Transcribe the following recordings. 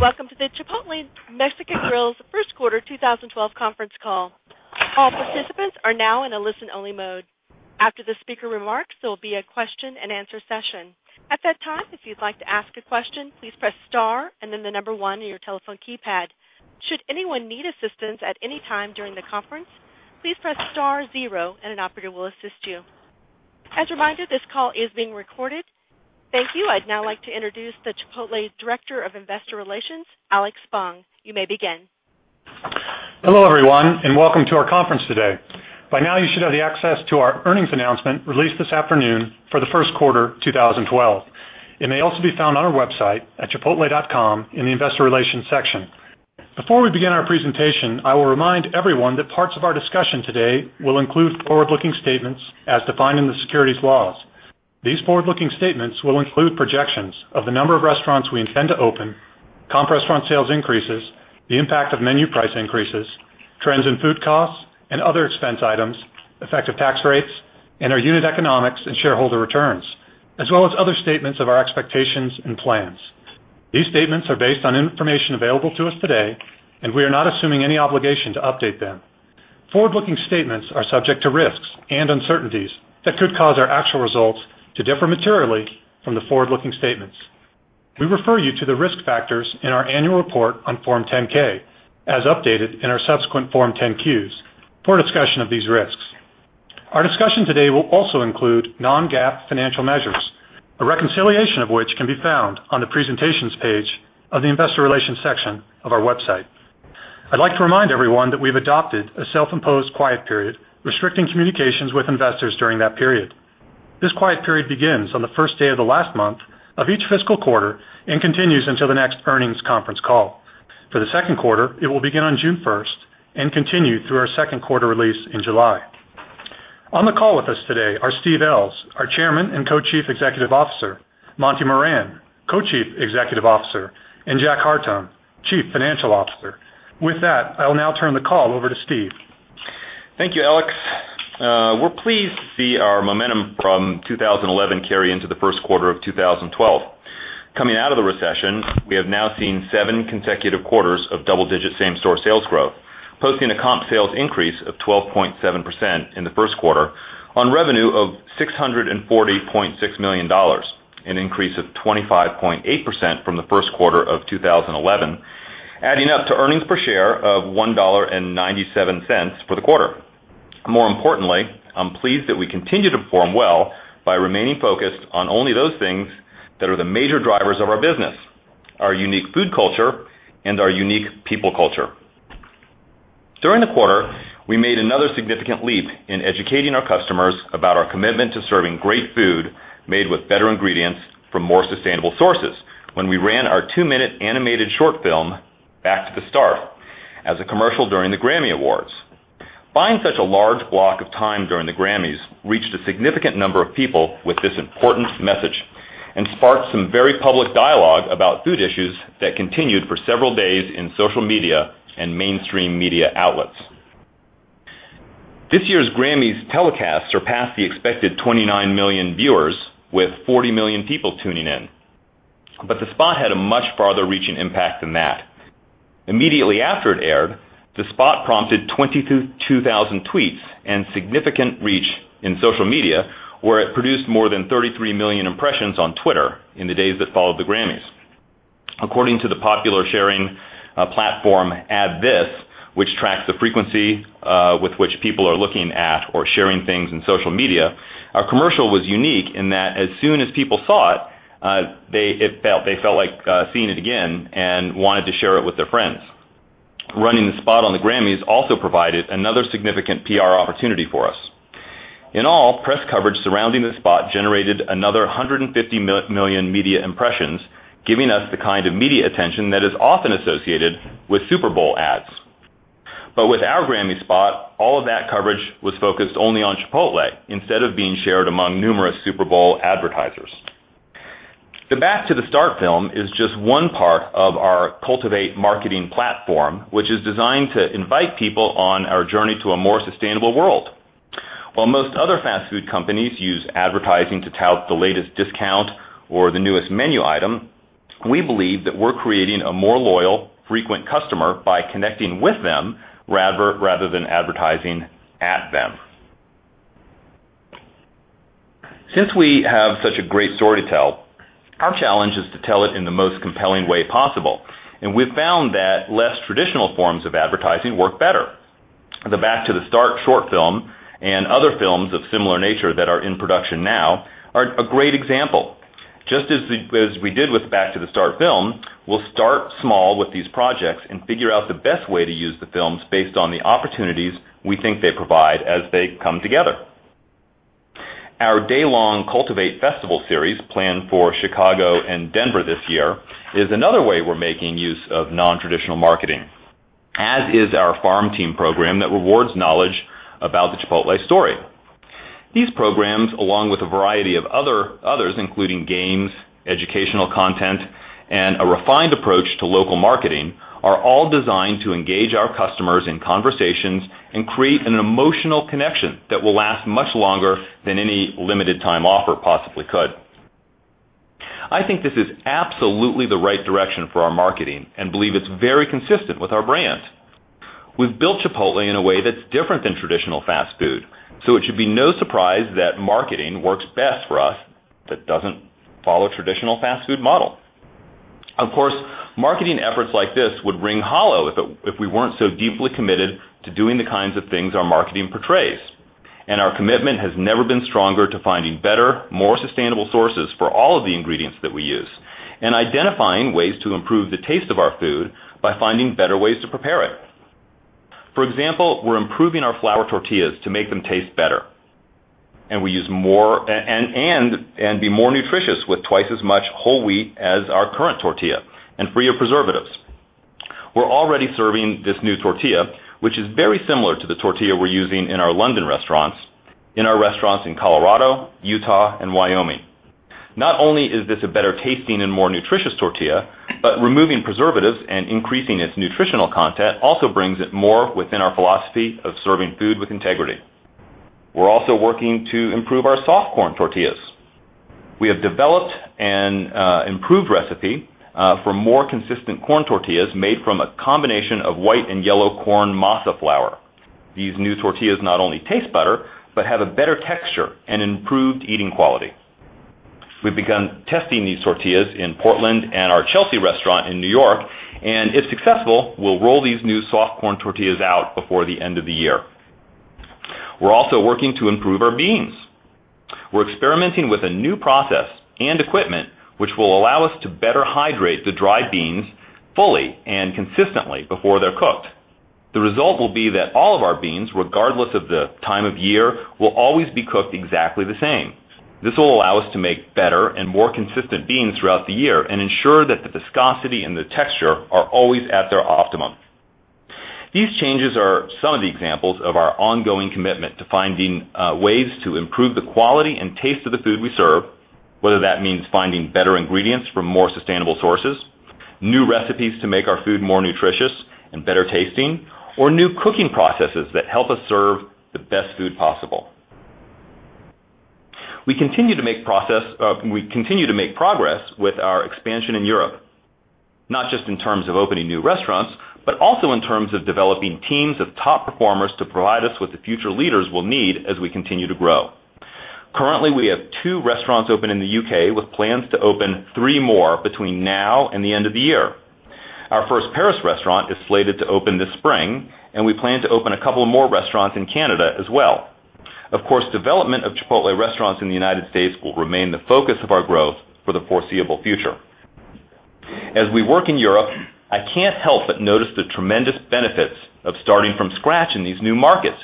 Good afternoon. Welcome to the Chipotle Mexican Grill's First Quarter 2012 Conference Call. All participants are now in a listen-only mode. After the speaker remarks, there will be a question and answer session. At that time, if you'd like to ask a question, please press star and then the number one on your telephone keypad. Should anyone need assistance at any time during the conference, please press star zero and an operator will assist you. As a reminder, this call is being recorded. Thank you. I'd now like to introduce the Chipotle Director of Investor Relations, Alex Spong. You may begin. Hello, everyone, and welcome to our conference today. By now, you should have access to our earnings announcement released this afternoon for the first quarter 2012. It may also be found on our website at chipotle.com in the Investor Relations section. Before we begin our presentation, I will remind everyone that parts of our discussion today will include forward-looking statements as defined in the securities laws. These forward-looking statements will include projections of the number of restaurants we intend to open, comp restaurant sales increases, the impact of menu price increases, trends in food costs and other expense items, effective tax rates, and our unit economics and shareholder returns, as well as other statements of our expectations and plans. These statements are based on information available to us today, and we are not assuming any obligation to update them. Forward-looking statements are subject to risks and uncertainties that could cause our actual results to differ materially from the forward-looking statements. We refer you to the risk factors in our annual report on Form 10-K, as updated in our subsequent Form 10-Qs for discussion of these risks. Our discussion today will also include non-GAAP financial measures, a reconciliation of which can be found on the presentations page of the Investor Relations section of our website. I'd like to remind everyone that we've adopted a self-imposed quiet period, restricting communications with investors during that period. This quiet period begins on the first day of the last month of each fiscal quarter and continues until the next earnings conference call. For the second quarter, it will begin on June 1 and continue through our second quarter release in July. On the call with us today are Steve Ells, our Chairman and Co-Chief Executive Officer, Monty Moran, Co-Chief Executive Officer, and Jack Hartung, Chief Financial Officer. With that, I will now turn the call over to Steve. Thank you, Alex. We're pleased to see our momentum from 2011 carry into the first quarter of 2012. Coming out of the recession, we have now seen seven consecutive quarters of double-digit same-store sales growth, posting a comp sales increase of 12.7% in the first quarter on revenue of $640.6 million, an increase of 25.8% from the first quarter of 2011, adding up to earnings per share of $1.97 for the quarter. More importantly, I'm pleased that we continue to perform well by remaining focused on only those things that are the major drivers of our business: our unique food culture and our unique people culture. During the quarter, we made another significant leap in educating our customers about our commitment to serving great food made with better ingredients from more sustainable sources when we ran our two-minute animated short film "Back to the Start," as a commercial during the Grammy Awards. Buying such a large block of time during the Grammys reached a significant number of people with this important message and sparked some very public dialogue about food issues that continued for several days in social media and mainstream media outlets. This year's Grammys telecast surpassed the expected 29 million viewers, with 40 million people tuning in. The spot had a much farther-reaching impact than that. Immediately after it aired, the spot prompted 22,000 tweets and significant reach in social media, where it produced more than 33 million impressions on Twitter in the days that followed the Grammys. According to the popular sharing platform AddThis, which tracks the frequency with which people are looking at or sharing things in social media, our commercial was unique in that as soon as people saw it, they felt like seeing it again and wanted to share it with their friends. Running the spot on the Grammys also provided another significant PR opportunity for us. In all, press coverage surrounding the spot generated another 150 million media impressions, giving us the kind of media attention that is often associated with Super Bowl ads. With our Grammy spot, all of that coverage was focused only on Chipotle instead of being shared among numerous Super Bowl advertisers. The "Back to the Start" film is just one part of our Cultivate Marketing platform, which is designed to invite people on our journey to a more sustainable world. While most other fast food companies use advertising to tout the latest discount or the newest menu item, we believe that we're creating a more loyal, frequent customer by connecting with them rather than advertising at them. Since we have such a great story to tell, our challenge is to tell it in the most compelling way possible. We have found that less traditional forms of advertising work better. The "Back to the Start" short film and other films of similar nature that are in production now are a great example. Just as we did with the "Back to the Start" film, we'll start small with these projects and figure out the best way to use the films based on the opportunities we think they provide as they come together. Our day-long Cultivate Festival series planned for Chicago and Denver this year is another way we're making use of non-traditional marketing, as is our farm team program that rewards knowledge about the Chipotle story. These programs, along with a variety of others, including games, educational content, and a refined approach to local marketing, are all designed to engage our customers in conversations and create an emotional connection that will last much longer than any limited-time offer possibly could. I think this is absolutely the right direction for our marketing and believe it's very consistent with our brand. We've built Chipotle in a way that's different than traditional fast food, so it should be no surprise that marketing works best for us that doesn't follow a traditional fast food model. Of course, marketing efforts like this would ring hollow if we weren't so deeply committed to doing the kinds of things our marketing portrays. Our commitment has never been stronger to finding better, more sustainable sources for all of the ingredients that we use and identifying ways to improve the taste of our food by finding better ways to prepare it. For example, we're improving our flour tortillas to make them taste better and be more nutritious with twice as much whole wheat as our current tortilla and free of preservatives. We're already serving this new tortilla, which is very similar to the tortilla we're using in our London restaurants, in our restaurants in Colorado, Utah, and Wyoming. Not only is this a better-tasting and more nutritious tortilla, but removing preservatives and increasing its nutritional content also brings it more within our philosophy of serving food with integrity. We're also working to improve our soft corn tortillas. We have developed an improved recipe for more consistent corn tortillas made from a combination of white and yellow corn masa flour. These new tortillas not only taste better, but have a better texture and improved eating quality. We've begun testing these tortillas in Portland and our Chelsea restaurant in New York, and if successful, we'll roll these new soft corn tortillas out before the end of the year. We're also working to improve our beans. We're experimenting with a new process and equipment which will allow us to better hydrate the dried beans fully and consistently before they're cooked. The result will be that all of our beans, regardless of the time of year, will always be cooked exactly the same. This will allow us to make better and more consistent beans throughout the year and ensure that the viscosity and the texture are always at their optimum. These changes are some of the examples of our ongoing commitment to finding ways to improve the quality and taste of the food we serve, whether that means finding better ingredients from more sustainable sources, new recipes to make our food more nutritious and better-tasting, or new cooking processes that help us serve the best food possible. We continue to make progress with our expansion in Europe, not just in terms of opening new restaurants, but also in terms of developing teams of top performers to provide us with the future leaders we'll need as we continue to grow. Currently, we have two restaurants open in the UK with plans to open three more between now and the end of the year. Our first Paris restaurant is slated to open this spring, and we plan to open a couple more restaurants in Canada as well. Of course, development of Chipotle Mexican Grill restaurants in the United States will remain the focus of our growth for the foreseeable future. As we work in Europe, I can't help but notice the tremendous benefits of starting from scratch in these new markets,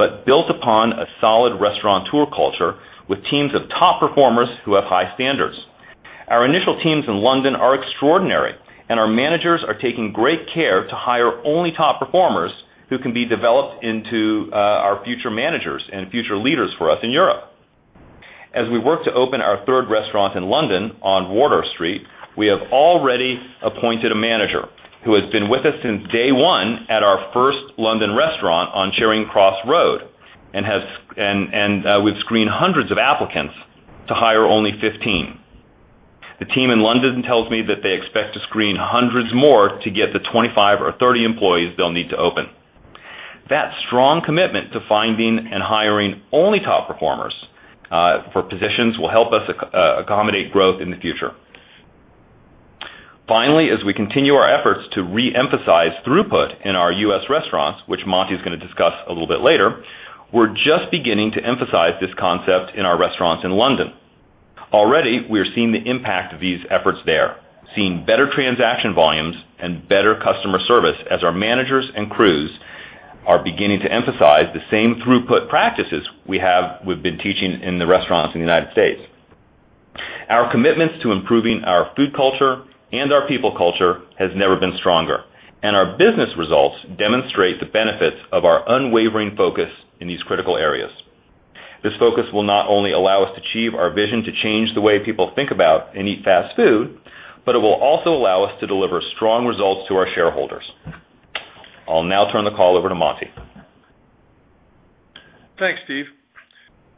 but built upon a solid restaurateur culture with teams of top performers who have high standards. Our initial teams in London are extraordinary, and our managers are taking great care to hire only top performers who can be developed into our future managers and future leaders for us in Europe. As we work to open our third restaurant in London on Water Street, we have already appointed a manager who has been with us since day one at our first London restaurant on Charing Cross Road, and we've screened hundreds of applicants to hire only 15. The team in London tells me that they expect to screen hundreds more to get the 25 or 30 employees they'll need to open. That strong commitment to finding and hiring only top performers for positions will help us accommodate growth in the future. Finally, as we continue our efforts to reemphasize throughput in our U.S. restaurants, which Monty is going to discuss a little bit later, we're just beginning to emphasize this concept in our restaurants in London. Already, we are seeing the impact of these efforts there, seeing better transaction volumes and better customer service as our managers and crews are beginning to emphasize the same throughput practices we've been teaching in the restaurants in the United States. Our commitments to improving our food culture and our people culture have never been stronger, and our business results demonstrate the benefits of our unwavering focus in these critical areas. This focus will not only allow us to achieve our vision to change the way people think about and eat fast food, but it will also allow us to deliver strong results to our shareholders. I'll now turn the call over to Monty. Thanks, Steve.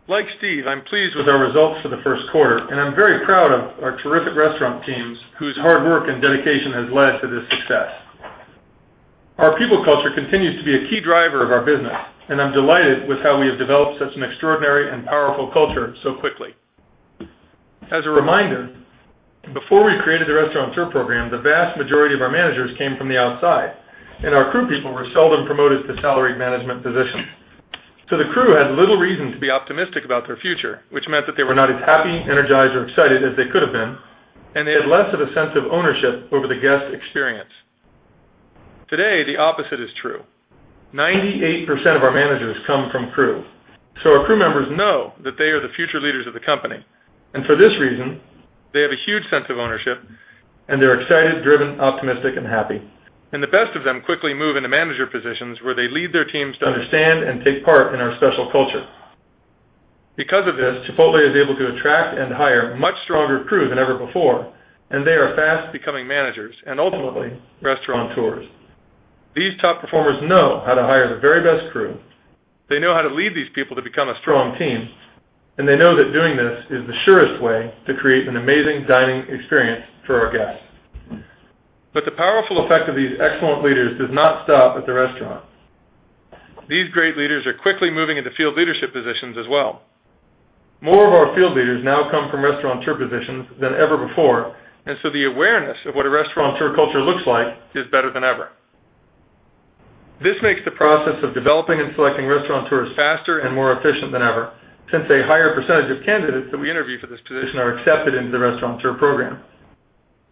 Like Steve, I'm pleased with our results for the first quarter, and I'm very proud of our terrific restaurant teams whose hard work and dedication has led to this success. Our people culture continues to be a key driver of our business, and I'm delighted with how we have developed such an extraordinary and powerful culture so quickly. As a reminder, before we created the restaurateur program, the vast majority of our managers came from the outside, and our crew people were seldom promoted to salaried management positions. The crew had little reason to be optimistic about their future, which meant that they were not as happy, energized, or excited as they could have been, and they had less of a sense of ownership over the guest experience. Today, the opposite is true. 98% of our managers come from crew, so our crew members know that they are the future leaders of the company. For this reason, they have a huge sense of ownership, and they're excited, driven, optimistic, and happy. The best of them quickly move into manager positions where they lead their teams to understand and take part in our special culture. Because of this, Chipotle Mexican Grill is able to attract and hire much stronger crew than ever before, and they are fast becoming managers and ultimately restaurateurs. These top performers know how to hire the very best crew. They know how to lead these people to become a strong team, and they know that doing this is the surest way to create an amazing dining experience for our guests. The powerful effect of these excellent leaders does not stop at the restaurant. These great leaders are quickly moving into field leadership positions as well. More of our field leaders now come from restaurateur positions than ever before, and the awareness of what a restaurateur culture looks like is better than ever. This makes the process of developing and selecting restaurateurs faster and more efficient than ever, since a higher percentage of candidates that we interview for this position are accepted into the restaurateur program.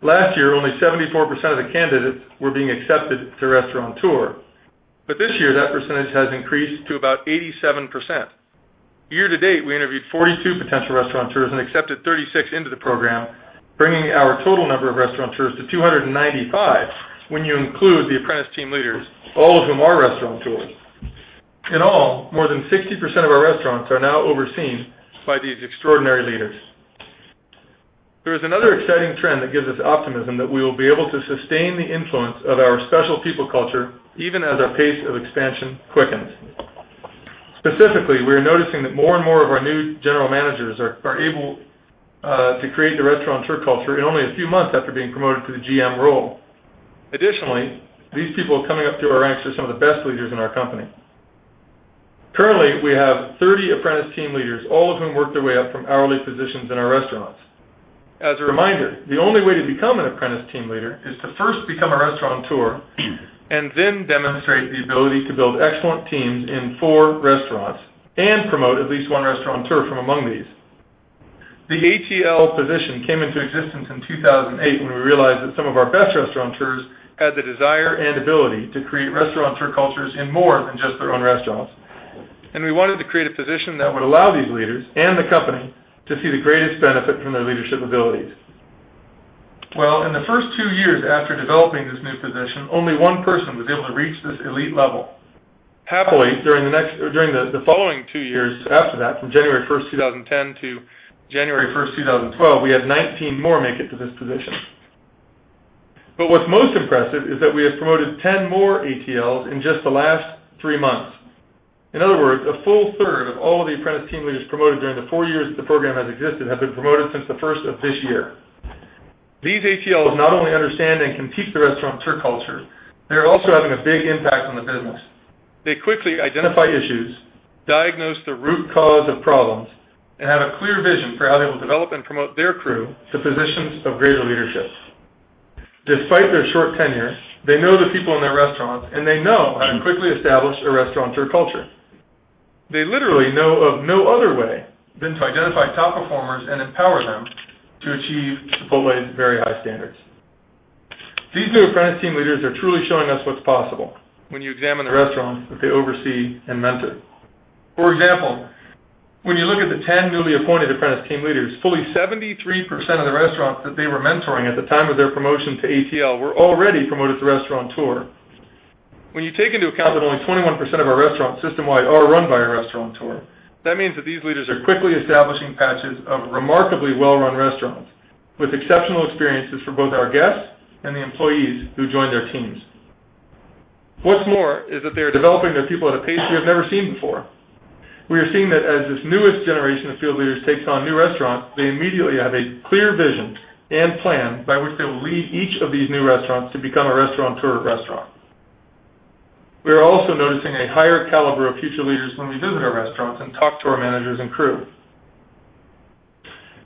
Last year, only 74% of the candidates were being accepted to restaurateur, but this year that percentage has increased to about 87%. Year to date, we interviewed 42 potential restaurateurs and accepted 36 into the program, bringing our total number of restaurateurs to 295 when you include the apprentice team leaders, all of whom are restaurateur. In all, more than 60% of our restaurants are now overseen by these extraordinary leaders. There is another exciting trend that gives us optimism that we will be able to sustain the influence of our special people culture even as our pace of expansion quickens. Specifically, we are noticing that more and more of our new general managers are able to create the restaurateur culture in only a few months after being promoted to the GM role. Additionally, these people coming up through our ranks are some of the best leaders in our company. Currently, we have 30 apprentice team leaders, all of whom work their way up from hourly positions in our restaurants. As a reminder, the only way to become an apprentice team leader is to first become a restaurateur and then demonstrate the ability to build excellent teams in four restaurants and promote at least one restaurateur from among these. The ATL position came into existence in 2008 when we realized that some of our best restaurateurs had the desire and ability to create restaurateur cultures in more than just their own restaurants, and we wanted to create a position that would allow these leaders and the company to see the greatest benefit from their leadership abilities. In the first two years after developing this new position, only one person was able to reach this elite level. Happily, during the following two years after that, from January 1, 2010 to January 1, 2012, we had 19 more make it to this position. What's most impressive is that we have promoted 10 more ATLs in just the last three months. In other words, a full third of all of the apprentice team leaders promoted during the four years the program has existed have been promoted since the first of this year. These ATLs not only understand and can teach the restaurateur culture, they're also having a big impact on the business. They quickly identify issues, diagnose the root cause of problems, and have a clear vision for how they will develop and promote their crew to positions of greater leadership. Despite their short tenure, they know the people in their restaurants, and they know how to quickly establish a restaurateur culture. They literally know of no other way than to identify top performers and empower them to achieve Chipotle's very high standards. These new apprentice team leaders are truly showing us what's possible when you examine the restaurants that they oversee and mentor. For example, when you look at the 10 newly appointed apprentice team leaders, fully 73% of the restaurants that they were mentoring at the time of their promotion to ATL were already promoted to restaurateur. When you take into account that only 21% of our restaurants system-wide are run by a restaurateur, that means that these leaders are quickly establishing patches of remarkably well-run restaurants with exceptional experiences for both our guests and the employees who join their teams. What's more is that they are developing their people at a pace you have never seen before. We are seeing that as this newest generation of field leaders takes on new restaurants, they immediately have a clear vision and plan by which they will lead each of these new restaurants to become a restaurateur restaurant. We are also noticing a higher caliber of future leaders when we visit our restaurants and talk to our managers and crew.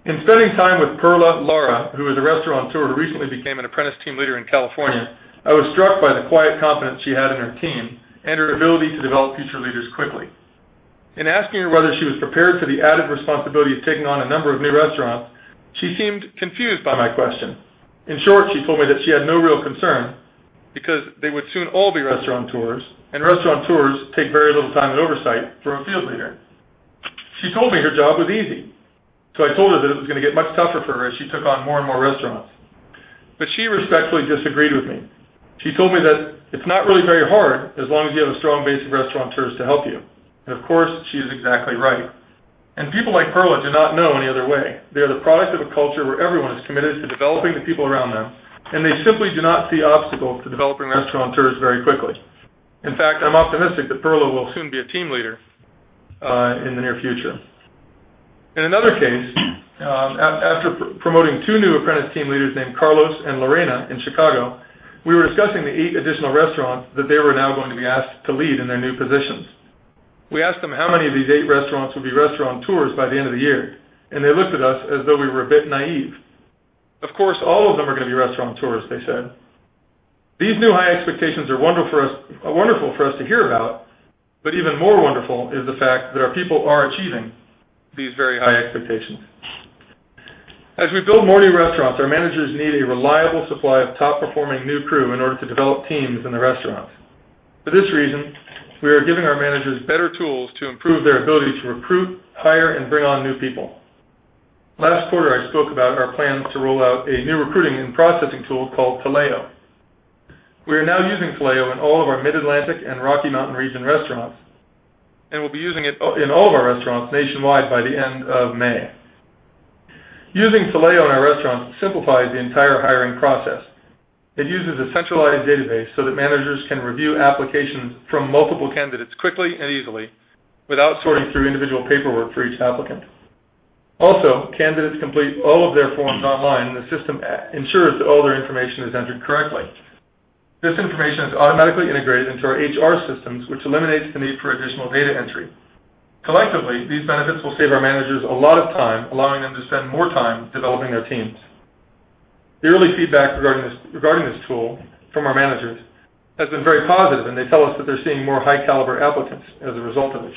In spending time with Perla Lara, who is a restaurateur who recently became an apprentice team leader in California, I was struck by the quiet confidence she had in her team and her ability to develop future leaders quickly. In asking her whether she was prepared for the added responsibility of taking on a number of new restaurants, she seemed confused by my question. In short, she told me that she had no real concern because they would soon all be restaurateurs, and restaurateurs take very little time and oversight from a field leader. She told me her job was easy, so I told her that it was going to get much tougher for her as she took on more and more restaurants. She respectfully disagreed with me. She told me that it's not really very hard as long as you have a strong base of restaurateurs to help you. Of course, she is exactly right. People like Perla do not know any other way. They are the product of a culture where everyone is committed to developing the people around them, and they simply do not see obstacles to developing restaurateurs very quickly. In fact, I'm optimistic that Perla will soon be a team leader in the near future. In another case, after promoting two new apprentice team leaders named Carlos and Lorena in Chicago, we were discussing the eight additional restaurants that they were now going to be asked to lead in their new positions. We asked them how many of these eight restaurants would be restaurateurs by the end of the year, and they looked at us as though we were a bit naive. Of course, all of them are going to be restaurateurs, they said. These new high expectations are wonderful for us to hear about, but even more wonderful is the fact that our people are achieving these very high expectations. As we build more new restaurants, our managers need a reliable supply of top-performing new crew in order to develop teams in the restaurants. For this reason, we are giving our managers better tools to improve their ability to recruit, hire, and bring on new people. Last quarter, I spoke about our plans to roll out a new recruiting and processing tool called Taleo. We are now using Taleo in all of our Mid-Atlantic and Rocky Mountain region restaurants, and we'll be using it in all of our restaurants nationwide by the end of May. Using Taleo in our restaurants simplifies the entire hiring process. It uses a centralized database so that managers can review applications from multiple candidates quickly and easily without sorting through individual paperwork for each applicant. Also, candidates complete all of their forms online, and the system ensures that all their information is entered correctly. This information is automatically integrated into our HR systems, which eliminates the need for additional data entry. Collectively, these benefits will save our managers a lot of time, allowing them to spend more time developing their teams. The early feedback regarding this tool from our managers has been very positive, and they tell us that they're seeing more high-caliber applicants as a result of this.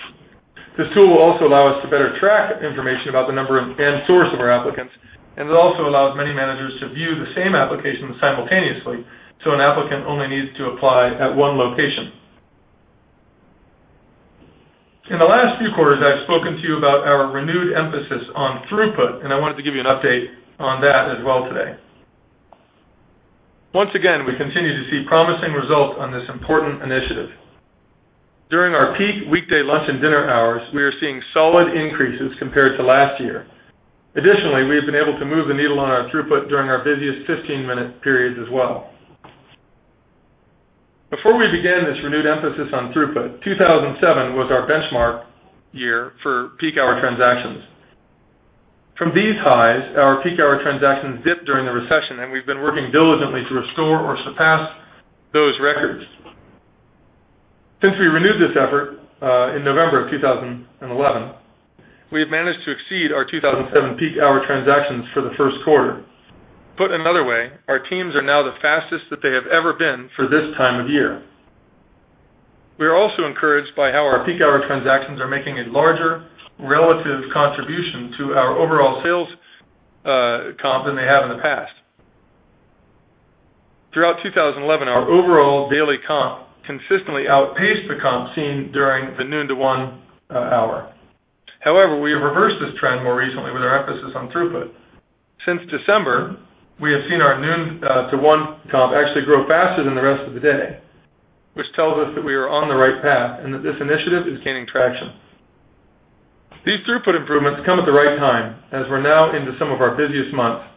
This tool will also allow us to better track information about the number and source of our applicants, and it also allows many managers to view the same application simultaneously, so an applicant only needs to apply at one location. In the last few quarters, I've spoken to you about our renewed emphasis on throughput, and I wanted to give you an update on that as well today. Once again, we continue to see promising results on this important initiative. During our peak weekday lunch and dinner hours, we are seeing solid increases compared to last year. Additionally, we have been able to move the needle on our throughput during our busiest 15-minute periods as well. Before we began this renewed emphasis on throughput, 2007 was our benchmark year for peak hour transactions. From these highs, our peak hour transactions dipped during the recession, and we've been working diligently to restore or surpass those records. Since we renewed this effort in November of 2011, we've managed to exceed our 2007 peak hour transactions for the first quarter. Put another way, our teams are now the fastest that they have ever been for this time of year. We are also encouraged by how our peak hour transactions are making a larger relative contribution to our overall sales comp than they have in the past. Throughout 2011, our overall daily comp consistently outpaced the comp seen during the noon-to-1 hour. However, we have reversed this trend more recently with our emphasis on throughput. Since December, we have seen our noon-to-1 comp actually grow faster than the rest of the day, which tells us that we are on the right path and that this initiative is gaining traction. These throughput improvements come at the right time, as we're now into some of our busiest months,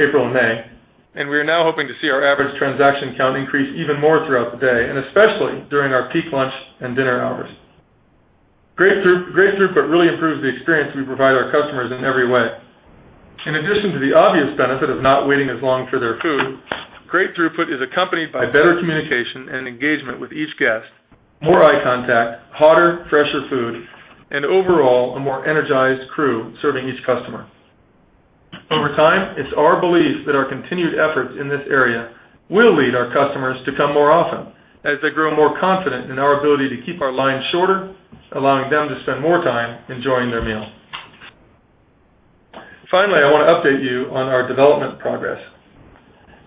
April and May, and we are now hoping to see our average transaction count increase even more throughout the day, and especially during our peak lunch and dinner hours. Great throughput really improves the experience we provide our customers in every way. In addition to the obvious benefit of not waiting as long for their food, great throughput is accompanied by better communication and engagement with each guest, more eye contact, hotter, fresher food, and overall a more energized crew serving each customer. Over time, it's our belief that our continued efforts in this area will lead our customers to come more often as they grow more confident in our ability to keep our lines shorter, allowing them to spend more time enjoying their meal. Finally, I want to update you on our development progress.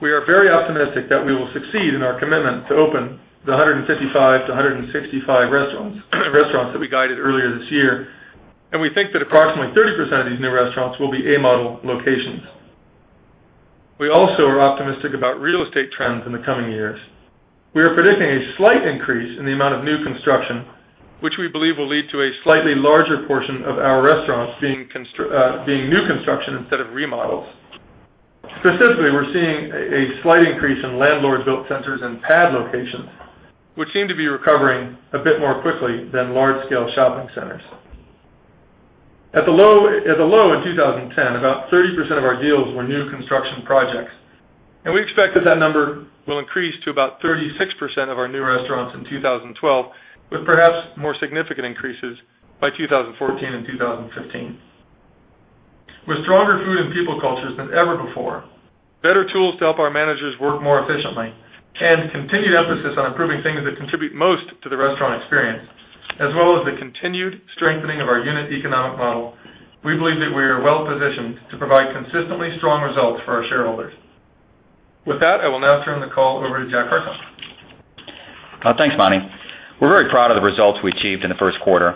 We are very optimistic that we will succeed in our commitment to open the 155 to 165 restaurants that we guided earlier this year, and we think that approximately 30% of these new restaurants will be A-model locations. We also are optimistic about real estate trends in the coming years. We are predicting a slight increase in the amount of new construction, which we believe will lead to a slightly larger portion of our restaurants being new construction instead of remodels. Specifically, we're seeing a slight increase in landlord-built centers and pad locations, which seem to be recovering a bit more quickly than large-scale shopping centers. At the low in 2010, about 30% of our deals were new construction projects, and we expect that that number will increase to about 36% of our new restaurants in 2012, with perhaps more significant increases by 2014 and 2015. With stronger food and people cultures than ever before, better tools to help our managers work more efficiently, and continued emphasis on improving things that contribute most to the restaurant experience, as well as the continued strengthening of our unit economic model, we believe that we are well-positioned to provide consistently strong results for our shareholders. With that, I will now turn the call over to Jack Hartung. Thanks, Monty. We're very proud of the results we achieved in the first quarter,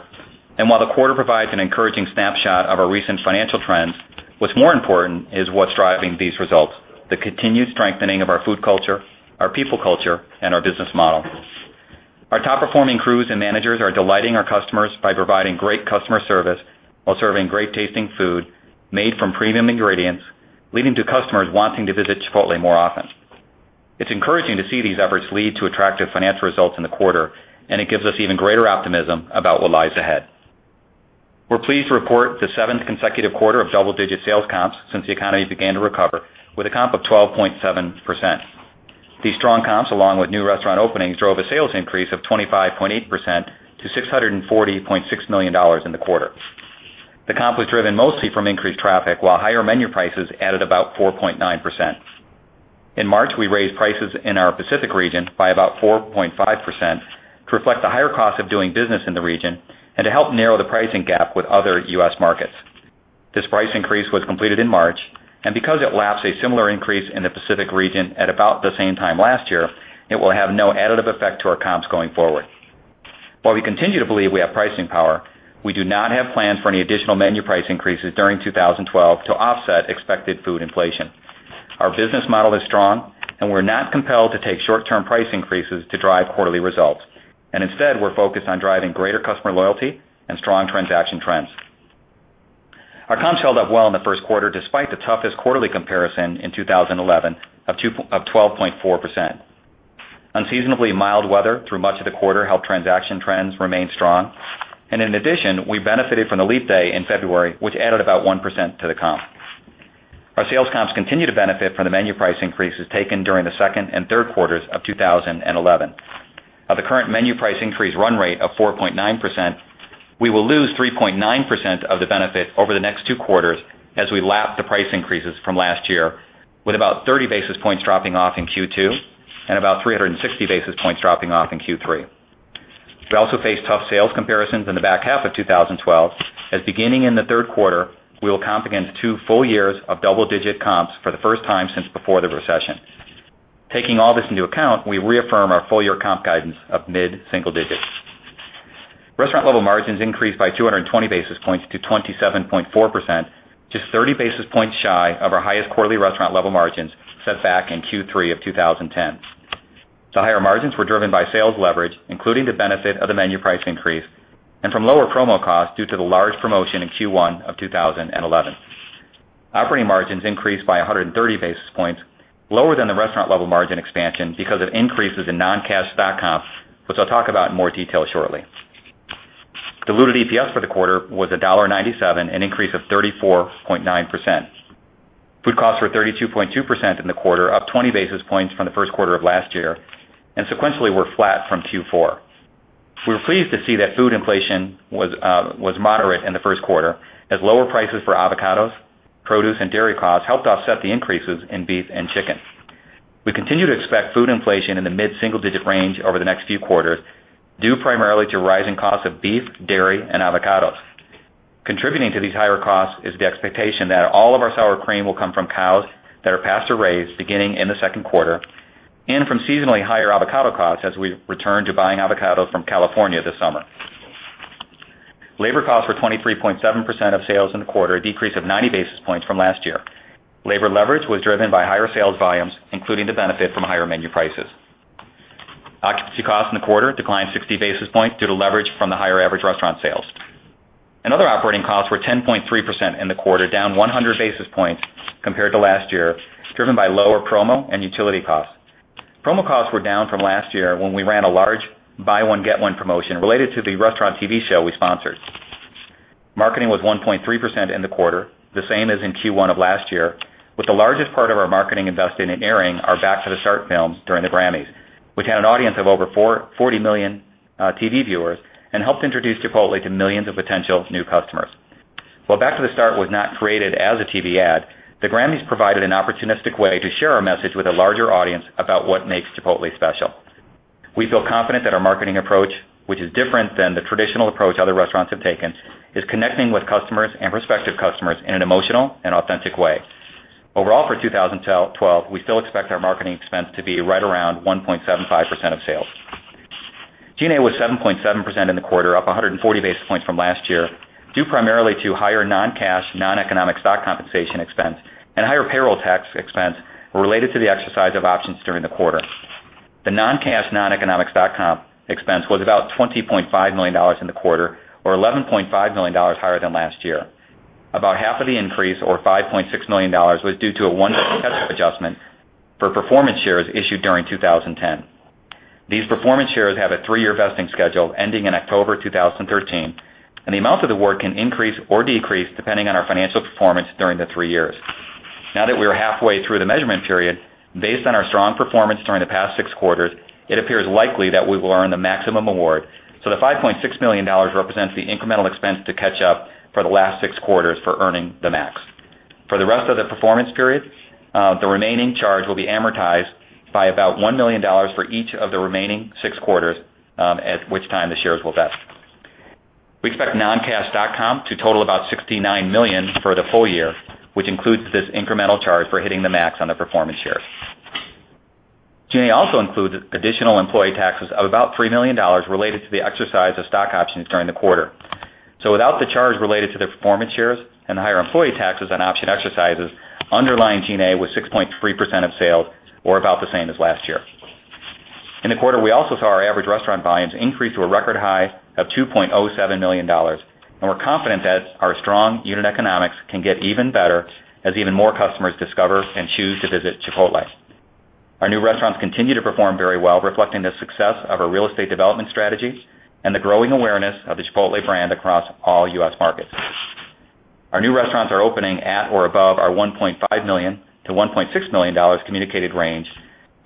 and while the quarter provides an encouraging snapshot of our recent financial trends, what's more important is what's driving these results: the continued strengthening of our food culture, our people culture, and our business model. Our top-performing crews and managers are delighting our customers by providing great customer service while serving great-tasting food made from premium ingredients, leading to customers wanting to visit Chipotle more often. It's encouraging to see these efforts lead to attractive financial results in the quarter, and it gives us even greater optimism about what lies ahead. We're pleased to report the seventh consecutive quarter of double-digit sales comps since the economy began to recover, with a comp of 12.7%. These strong comps, along with new restaurant openings, drove a sales increase of $25.8% million-$640.6 million in the quarter. The comp was driven mostly from increased traffic, while higher menu prices added about 4.9%. In March, we raised prices in our Pacific region by about 4.5% to reflect the higher cost of doing business in the region and to help narrow the pricing gap with other U.S. markets. This price increase was completed in March, and because it lapsed a similar increase in the Pacific region at about the same time last year, it will have no additive effect to our comps going forward. While we continue to believe we have pricing power, we do not have plans for any additional menu price increases during 2012 to offset expected food inflation. Our business model is strong, and we're not compelled to take short-term price increases to drive quarterly results, and instead, we're focused on driving greater customer loyalty and strong transaction trends. Our comps held up well in the first quarter despite the toughest quarterly comparison in 2011 of 12.4%. Unseasonably mild weather through much of the quarter helped transaction trends remain strong, and in addition, we benefited from the leap day in February, which added about 1% to the comp. Our sales comps continue to benefit from the menu price increases taken during the second and third quarters of 2011. At the current menu price increase run rate of 4.9%, we will lose 3.9% of the benefit over the next two quarters as we lap the price increases from last year, with about 30 basis points dropping off in Q2 and about 360 basis points dropping off in Q3. We also faced tough sales comparisons in the back half of 2012, as beginning in the third quarter, we will comp against two full years of double-digit comps for the first time since before the recession. Taking all this into account, we reaffirm our full-year comp guidance of mid-single digits. Restaurant-level margins increased by 220 basis points to 27.4%, just 30 basis points shy of our highest quarterly restaurant-level margins set back in Q3 of 2010. The higher margins were driven by sales leverage, including the benefit of the menu price increase, and from lower promo costs due to the large promotion in Q1 of 2011. Operating margins increased by 130 basis points, lower than the restaurant-level margin expansion because of increases in non-cash stock comps, which I'll talk about in more detail shortly. Diluted EPS for the quarter was $1.97, an increase of 34.9%. Food costs were 32.2% in the quarter, up 20 basis points from the first quarter of last year, and sequentially were flat from Q4. We were pleased to see that food inflation was moderate in the first quarter, as lower prices for avocados, produce, and dairy costs helped offset the increases in beef and chicken. We continue to expect food inflation in the mid-single-digit range over the next few quarters, due primarily to rising costs of beef, dairy, and avocados. Contributing to these higher costs is the expectation that all of our sour cream will come from cows that are pasture-raised beginning in the second quarter and from seasonally higher avocado costs as we return to buying avocados from California this summer. Labor costs were 23.7% of sales in the quarter, a decrease of 90 basis points from last year. Labor leverage was driven by higher sales volumes, including the benefit from higher menu prices. Occupancy costs in the quarter declined 60 basis points due to leverage from the higher average restaurant sales. Other operating costs were 10.3% in the quarter, down 100 basis points compared to last year, driven by lower promo and utility costs. Promo costs were down from last year when we ran a large buy-one-get-one promotion related to the restaurant TV show we sponsored. Marketing was 1.3% in the quarter, the same as in Q1 of last year, with the largest part of our marketing invested in airing our "Back to the Start" films during the Grammys, which had an audience of over 40 million TV viewers and helped introduce Chipotle to millions of potential new customers. While "Back to the Start" was not created as a TV ad, the Grammys provided an opportunistic way to share our message with a larger audience about what makes Chipotle special. We feel confident that our marketing approach, which is different than the traditional approach other restaurants have taken, is connecting with customers and prospective customers in an emotional and authentic way. Overall, for 2012, we still expect our marketing expense to be right around 1.75% of sales. G&A was 7.7% in the quarter, up 140 basis points from last year, due primarily to higher non-cash, non-economic stock compensation expense and higher payroll tax expense related to the exercise of options during the quarter. The non-cash, non-economic stock comp expense was about $20.5 million in the quarter, or $11.5 million higher than last year. About half of the increase, or $5.6 million, was due to a one-fifth adjustment for performance shares issued during 2010. These performance shares have a three-year vesting schedule ending in October 2013, and the amount of the award can increase or decrease depending on our financial performance during the three years. Now that we are halfway through the measurement period, based on our strong performance during the past six quarters, it appears likely that we will earn the maximum award, so the $5.6 million represents the incremental expense to catch up for the last six quarters for earning the max. For the rest of the performance period, the remaining charge will be amortized by about $1 million for each of the remaining six quarters, at which time the shares will vest. We expect non-cash stock comp to total about $69 million for the full year, which includes this incremental charge for hitting the max on the performance shares. G&A also includes additional employee taxes of about $3 million related to the exercise of stock options during the quarter. Without the charge related to the performance shares and the higher employee taxes on option exercises, underlying G&A was 6.3% of sales, or about the same as last year. In the quarter, we also saw our average restaurant volumes increase to a record high of $2.07 million, and we're confident that our strong unit economics can get even better as even more customers discover and choose to visit Chipotle. Our new restaurants continue to perform very well, reflecting the success of our real estate development strategy and the growing awareness of the Chipotle brand across all U.S. markets. Our new restaurants are opening at or above our $1.5 million to $1.6 million communicated range,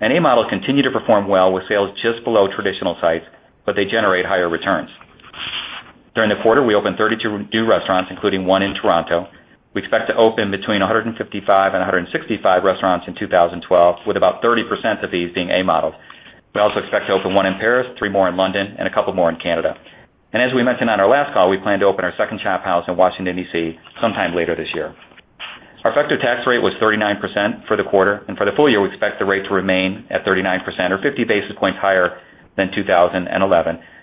and A-models continue to perform well with sales just below traditional sites, but they generate higher returns. During the quarter, we opened 32 new restaurants, including one in Toronto. We expect to open between 155 and 165 restaurants in 2012, with about 30% of these being A-models. We also expect to open one in Paris, three more in London, and a couple more in Canada. As we mentioned on our last call, we plan to open our second shophouse in Washington, DC, sometime later this year. Our effective tax rate was 39% for the quarter, and for the full year, we expect the rate to remain at 39% or 50 basis points higher than 2011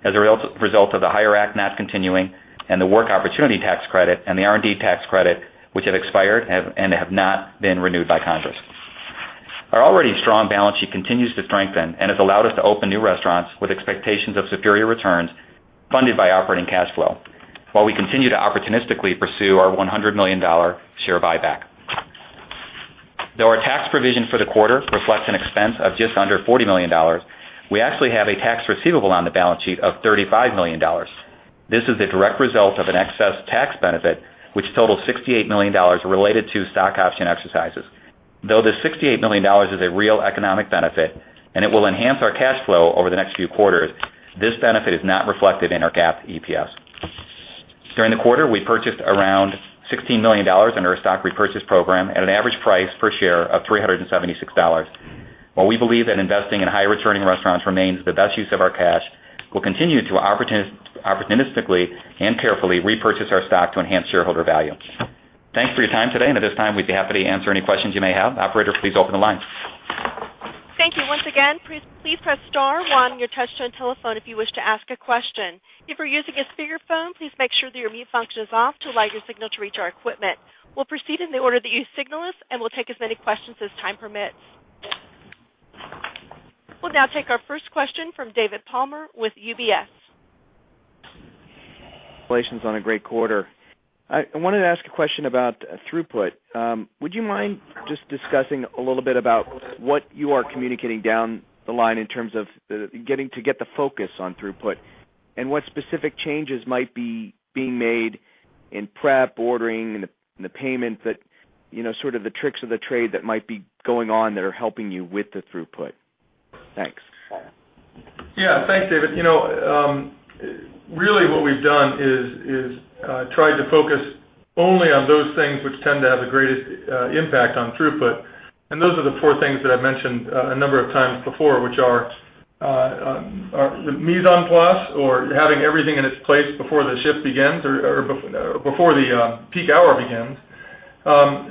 as a result of the HIRE Act not continuing and the Work Opportunity Tax Credit and the R&D Tax Credit, which have expired and have not been renewed by Congress. Our already strong balance sheet continues to strengthen and has allowed us to open new restaurants with expectations of superior returns funded by operating cash flow, while we continue to opportunistically pursue our $100 million share buyback. Though our tax provision for the quarter reflects an expense of just under $40 million, we actually have a tax receivable on the balance sheet of $35 million. This is a direct result of an excess tax benefit, which totals $68 million related to stock option exercises. Though the $68 million is a real economic benefit and it will enhance our cash flow over the next few quarters, this benefit is not reflected in our GAAP EPS. During the quarter, we purchased around $16 million under a stock repurchase program at an average price per share of $376. While we believe that investing in high-returning restaurants remains the best use of our cash, we'll continue to opportunistically and carefully repurchase our stock to enhance shareholder value. Thanks for your time today, and at this time, we'd be happy to answer any questions you may have. Operator, please open the line. Thank you. Once again, please press star one on your touch-tone telephone if you wish to ask a question. If you're using a speaker phone, please make sure that your mute function is off to allow your signal to reach our equipment. We'll proceed in the order that you signal us, and we'll take as many questions as time permits. We'll now take our first question from David Palmer with UBS. Congratulations on a great quarter. I wanted to ask a question about throughput. Would you mind just discussing a little bit about what you are communicating down the line in terms of getting the focus on throughput and what specific changes might be being made in prep, ordering, and the payments, sort of the tricks of the trade that might be going on that are helping you with the throughput? Thanks. Yeah, thanks, David. Really what we've done is tried to focus only on those things which tend to have the greatest impact on throughput, and those are the four things that I've mentioned a number of times before, which are the mise en place, or having everything in its place before the shift begins or before the peak hour begins,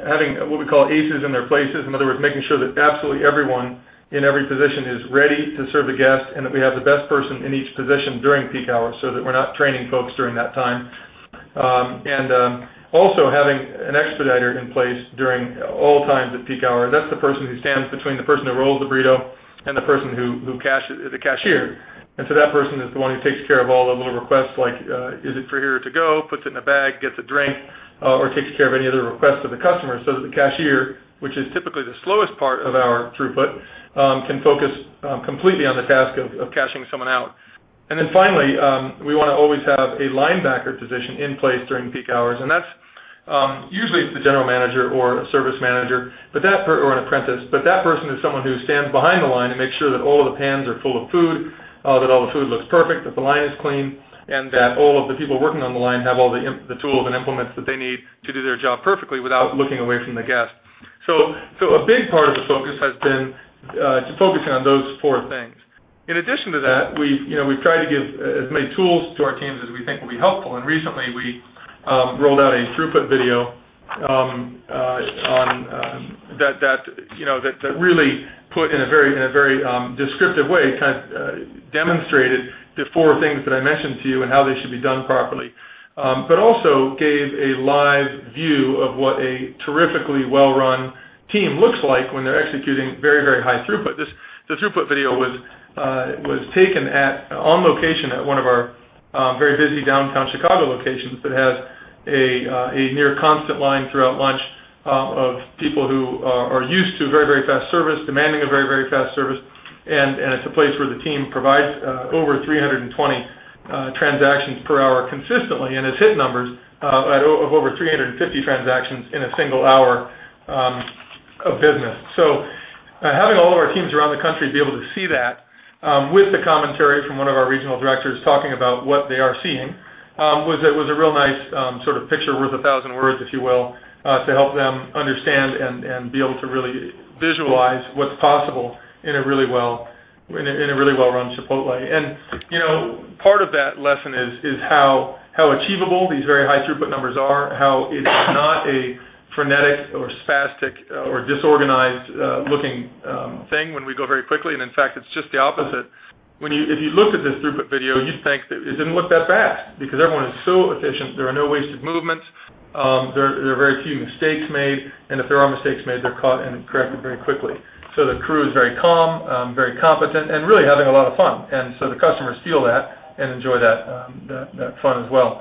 having what we call aces in their places. In other words, making sure that absolutely everyone in every position is ready to serve the guest and that we have the best person in each position during peak hour so that we're not training folks during that time, and also having an expediter in place during all times at peak hour. That's the person who stands between the person who rolls the burrito and the person who cashes the cashier. That person is the one who takes care of all the little requests, like is it for here to go, puts it in a bag, gets a drink, or takes care of any other requests of the customer so that the cashier, which is typically the slowest part of our throughput, can focus completely on the task of cashing someone out. Finally, we want to always have a linebacker position in place during peak hours, and that's usually the General Manager or a Service Manager or an Apprentice, but that person is someone who stands behind the line and makes sure that all of the pans are full of food, that all the food looks perfect, that the line is clean, and that all of the people working on the line have all the tools and implements that they need to do their job perfectly without looking away from the guest. A big part of the focus has been focusing on those four things. In addition to that, we've tried to give as many tools to our teams as we think will be helpful, and recently we rolled out a throughput video that really put in a very descriptive way, kind of demonstrated the four things that I mentioned to you and how they should be done properly, but also gave a live view of what a terrifically well-run team looks like when they're executing very, very high throughput. The throughput video was taken on location at one of our very busy downtown Chicago locations that has a near constant line throughout lunch of people who are used to very, very fast service demanding a very, very fast service, and it's a place where the team provides over 320 transactions per hour consistently and has hit numbers of over 350 transactions in a single hour of business. Having all of our teams around the country be able to see that with the commentary from one of our Regional Directors talking about what they are seeing was a real nice sort of picture worth a thousand words, if you will, to help them understand and be able to really visualize what's possible in a really well-run Chipotle. Part of that lesson is how achievable these very high throughput numbers are, how it is not a frenetic or spastic or disorganized looking thing when we go very quickly, and in fact, it's just the opposite. If you looked at this throughput video, you'd think that it didn't look that bad because everyone is so efficient. There are no wasted movements. There are very few mistakes made, and if there are mistakes made, they're caught and corrected very quickly. The crew is very calm, very competent, and really having a lot of fun, so the customers feel that and enjoy that fun as well.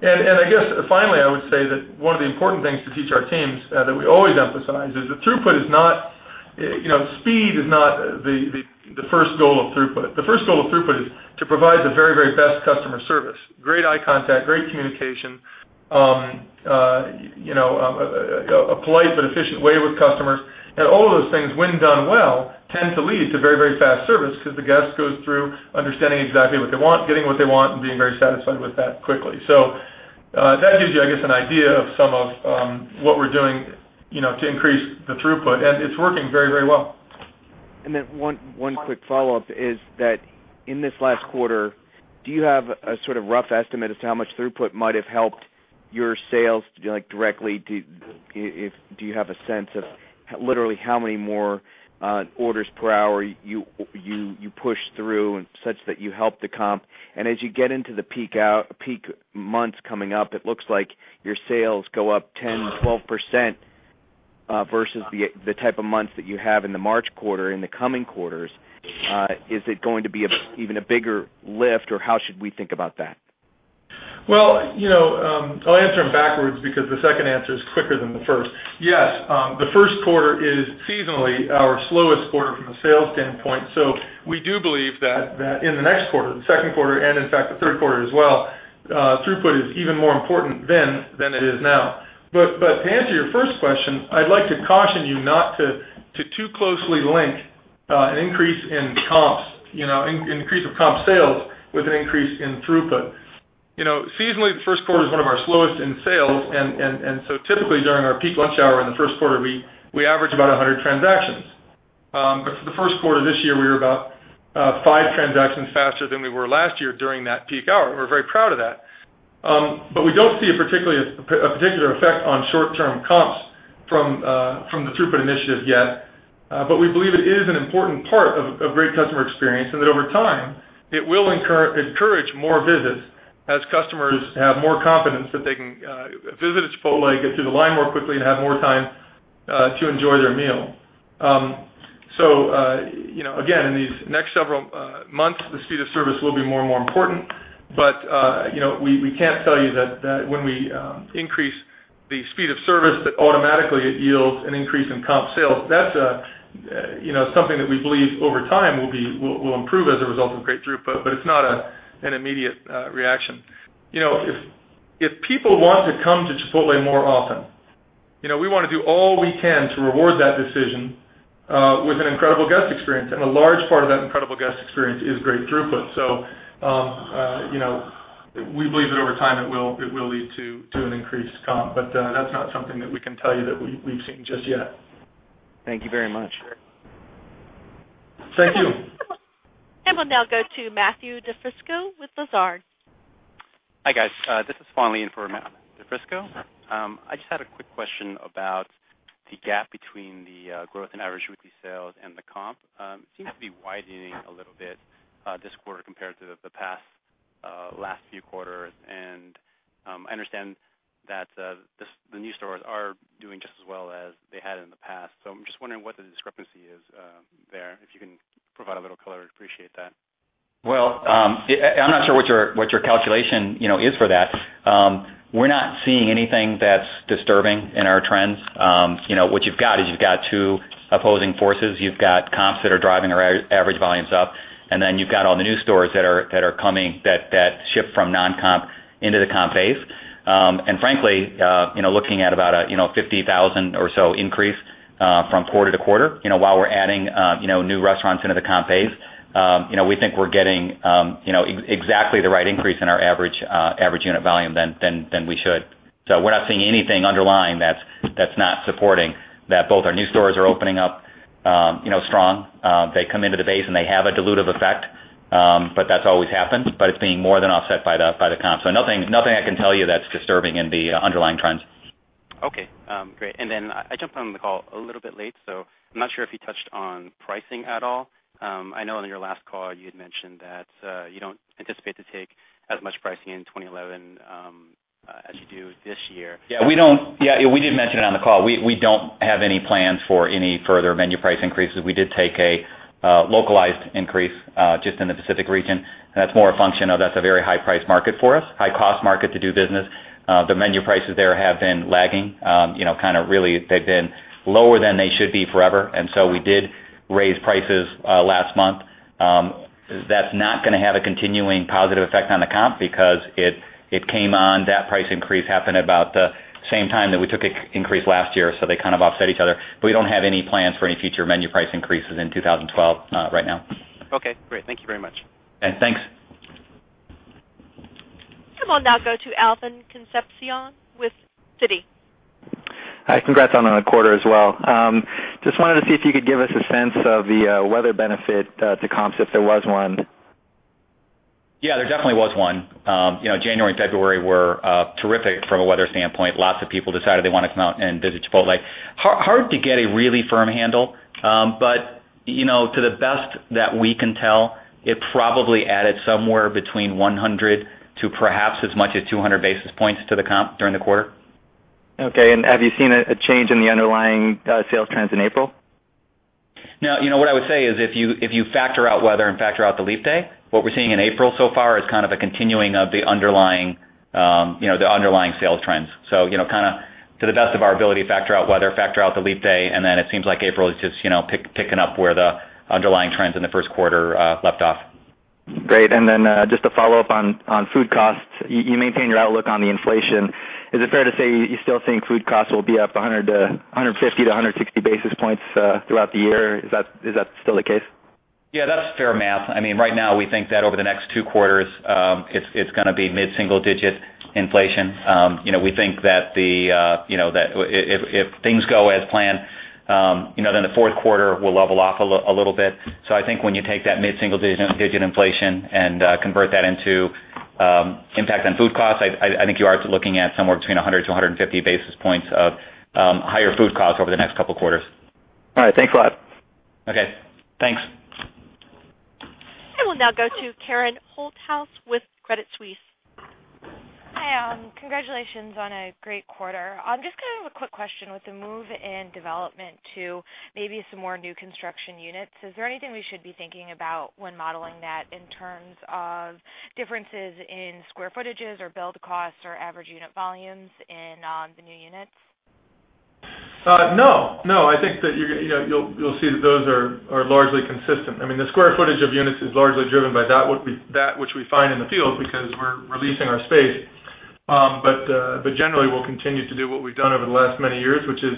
Finally, I would say that one of the important things to teach our teams that we always emphasize is that throughput is not, you know, speed is not the first goal of throughput. The first goal of throughput is to provide the very, very best customer service: great eye contact, great communication, a polite but efficient way with customers, and all of those things, when done well, tend to lead to very, very fast service because the guest goes through understanding exactly what they want, getting what they want, and being very satisfied with that quickly. That gives you, I guess, an idea of some of what we're doing to increase the throughput, and it's working very, very well. One quick follow-up is that in this last quarter, do you have a sort of rough estimate as to how much throughput might have helped your sales directly? Do you have a sense of literally how many more orders per hour you push through such that you help the comp? As you get into the peak months coming up, it looks like your sales go up 10%, 12% versus the type of months that you have in the March quarter. In the coming quarters, is it going to be even a bigger lift, or how should we think about that? I'll answer them backwards because the second answer is quicker than the first. Yes, the first quarter is seasonally our slowest quarter from a sales standpoint. We do believe that in the next quarter, the second quarter, and in fact, the third quarter as well, throughput is even more important then than it is now. To answer your first question, I'd like to caution you not to too closely link an increase in comps, you know, an increase of comp sales with an increase in throughput. Seasonally, the first quarter is one of our slowest in sales, and so typically during our peak lunch hour in the first quarter, we average about 100 transactions. For the first quarter this year, we were about five transactions faster than we were last year during that peak hour, and we're very proud of that. We don't see a particular effect on short-term comps from the throughput initiative yet, but we believe it is an important part of great customer experience and that over time it will encourage more visits as customers have more confidence that they can visit a Chipotle, get through the line more quickly, and have more time to enjoy their meal. Again, in these next several months, the speed of service will be more and more important, but we can't tell you that when we increase the speed of service that automatically it yields an increase in comp sales. That's something that we believe over time will improve as a result of great throughput, but it's not an immediate reaction. If people want to come to Chipotle more often, we want to do all we can to reward that decision with an incredible guest experience, and a large part of that incredible guest experience is great throughput. We believe that over time it will lead to an increased comp, but that's not something that we can tell you that we've seen just yet. Thank you very much. Thank you. will now go to Matthew DeFrisco with Lazard. Hi, guys. This is Von Lee for Matt DeFrisco. I just had a quick question about the gap between the growth in average weekly sales and the comp. It seems to be widening a little bit this quarter compared to the past few quarters, and I understand that the new stores are doing just as well as they had in the past. I'm just wondering what the discrepancy is there. If you can provide a little color, I'd appreciate that. I'm not sure what your calculation is for that. We're not seeing anything that's disturbing in our trends. You know, what you've got is you've got two opposing forces. You've got comps that are driving our average volumes up, and then you've got all the new stores that are coming that shift from non-comp into the comp base. Frankly, looking at about a $50,000 or so increase from quarter to quarter, while we're adding new restaurants into the comp base, we think we're getting exactly the right increase in our average unit volume than we should. We're not seeing anything underlying that's not supporting that. Both our new stores are opening up strong. They come into the base, and they have a dilutive effect, but that's always happened, but it's being more than offset by the comp. Nothing I can tell you that's disturbing in the underlying trends. OK, great. I jumped on the call a little bit late, so I'm not sure if you touched on pricing at all. I know on your last call you had mentioned that you don't anticipate to take as much pricing in 2011 as you do this year. Yeah, we did mention it on the call. We don't have any plans for any further menu price increases. We did take a localized increase just in the Pacific region, and that's more a function of that's a very high-priced market for us, high-cost market to do business. The menu prices there have been lagging, you know, kind of really they've been lower than they should be forever, and so we did raise prices last month. That's not going to have a continuing positive effect on the comp because it came on. That price increase happened about the same time that we took an increase last year, so they kind of offset each other. We don't have any plans for any future menu price increases in 2012 right now. OK, great. Thank you very much. Thanks. We will now go to Alvin Concepcion with Citi. Hi. Congrats on a quarter as well. Just wanted to see if you could give us a sense of the weather benefit to comps, if there was one. Yeah, there definitely was one. January and February were terrific from a weather standpoint. Lots of people decided they wanted to come out and visit Chipotle. Hard to get a really firm handle, but to the best that we can tell, it probably added somewhere between 100 to perhaps as much as 200 basis points to the comp during the quarter. OK, have you seen a change in the underlying sales trends in April? What I would say is if you factor out weather and factor out the leap day, what we're seeing in April so far is kind of a continuing of the underlying sales trends. To the best of our ability, factor out weather, factor out the leap day, and then it seems like April is just picking up where the underlying trends in the first quarter left off. Great. Just to follow up on food costs, you maintain your outlook on the inflation. Is it fair to say you're still seeing food costs will be up 150 - 160 basis points throughout the year? Is that still the case? Yeah, that's fair math. I mean, right now we think that over the next two quarters, it's going to be mid-single-digit inflation. We think that if things go as planned, the fourth quarter will level off a little bit. I think when you take that mid-single-digit inflation and convert that into impact on food costs, you are looking at somewhere between 100 - 150 basis points of higher food costs over the next couple of quarters. All right, thanks a lot. OK, thanks. We will now go to Karen Holthouse with Credit Suisse. Hi. Congratulations on a great quarter. I'm just going to have a quick question. With the move in development to maybe some more new construction units, is there anything we should be thinking about when modeling that in terms of differences in square footages or build costs or average unit volumes in the new units? I think that you'll see that those are largely consistent. The square footage of units is largely driven by that which we find in the field because we're releasing our space. Generally, we'll continue to do what we've done over the last many years, which is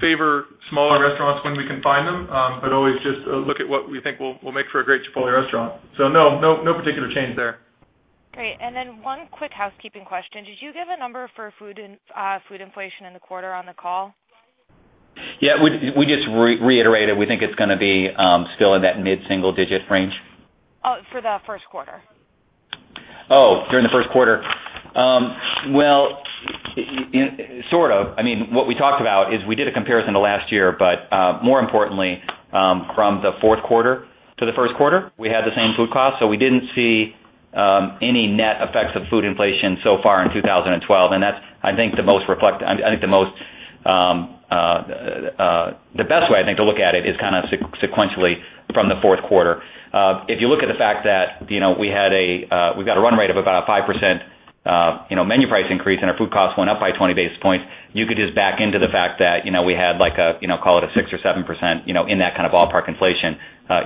favor smaller restaurants when we can find them, but always just look at what we think will make for a great Chipotle restaurant. No particular change there. Great. One quick housekeeping question. Did you give a number for food inflation in the quarter on the call? Yeah, we just reiterated we think it's going to be still in that mid-single-digit range. Oh, for the first quarter. During the first quarter, sort of. I mean, what we talked about is we did a comparison to last year, but more importantly, from the fourth quarter to the first quarter, we had the same food costs. We didn't see any net effects of food inflation so far in 2012, and that's, I think, the most reflective. I think the best way, I think, to look at it is kind of sequentially from the fourth quarter. If you look at the fact that we've got a run rate of about a 5% menu price increase and our food costs went up by 20 basis points, you could just back into the fact that we had like, you know, call it a 6% or 7% in that kind of ballpark inflation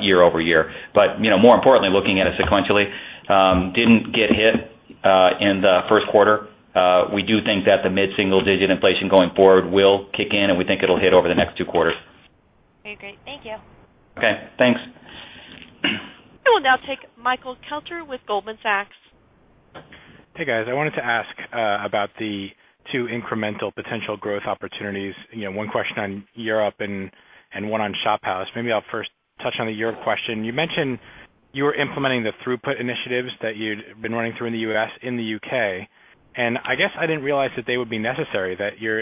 year-over-year. More importantly, looking at it sequentially, didn't get hit in the first quarter. We do think that the mid-single-digit inflation going forward will kick in, and we think it'll hit over the next two quarters. OK, great. Thank you. OK, thanks. We will now take Michael Kelter with Goldman Sachs. Hey, guys. I wanted to ask about the two incremental potential growth opportunities, you know, one question on Europe and one on Shophouse. Maybe I'll first touch on the Europe question. You mentioned you were implementing the throughput initiatives that you'd been running through in the U.S. in the UK, and I guess I didn't realize that they would be necessary, that your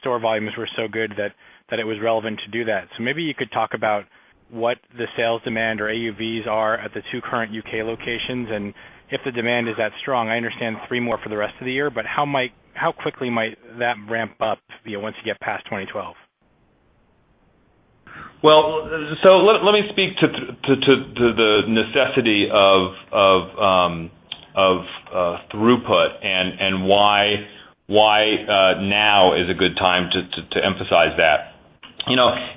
store volumes were so good that it was relevant to do that. Maybe you could talk about what the sales demand or AUVs are at the two current UK locations, and if the demand is that strong. I understand three more for the rest of the year, but how quickly might that ramp up once you get past 2012? Let me speak to the necessity of throughput and why now is a good time to emphasize that.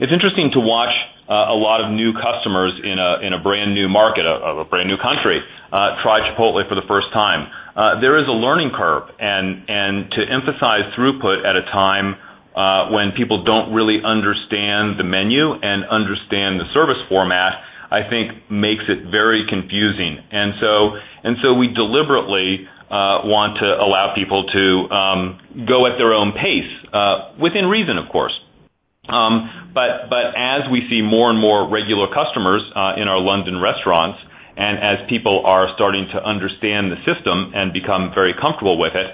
It's interesting to watch a lot of new customers in a brand new market of a brand new country try Chipotle for the first time. There is a learning curve, and to emphasize throughput at a time when people don't really understand the menu and understand the service format, I think, makes it very confusing. We deliberately want to allow people to go at their own pace, within reason, of course. As we see more and more regular customers in our London restaurants and as people are starting to understand the system and become very comfortable with it,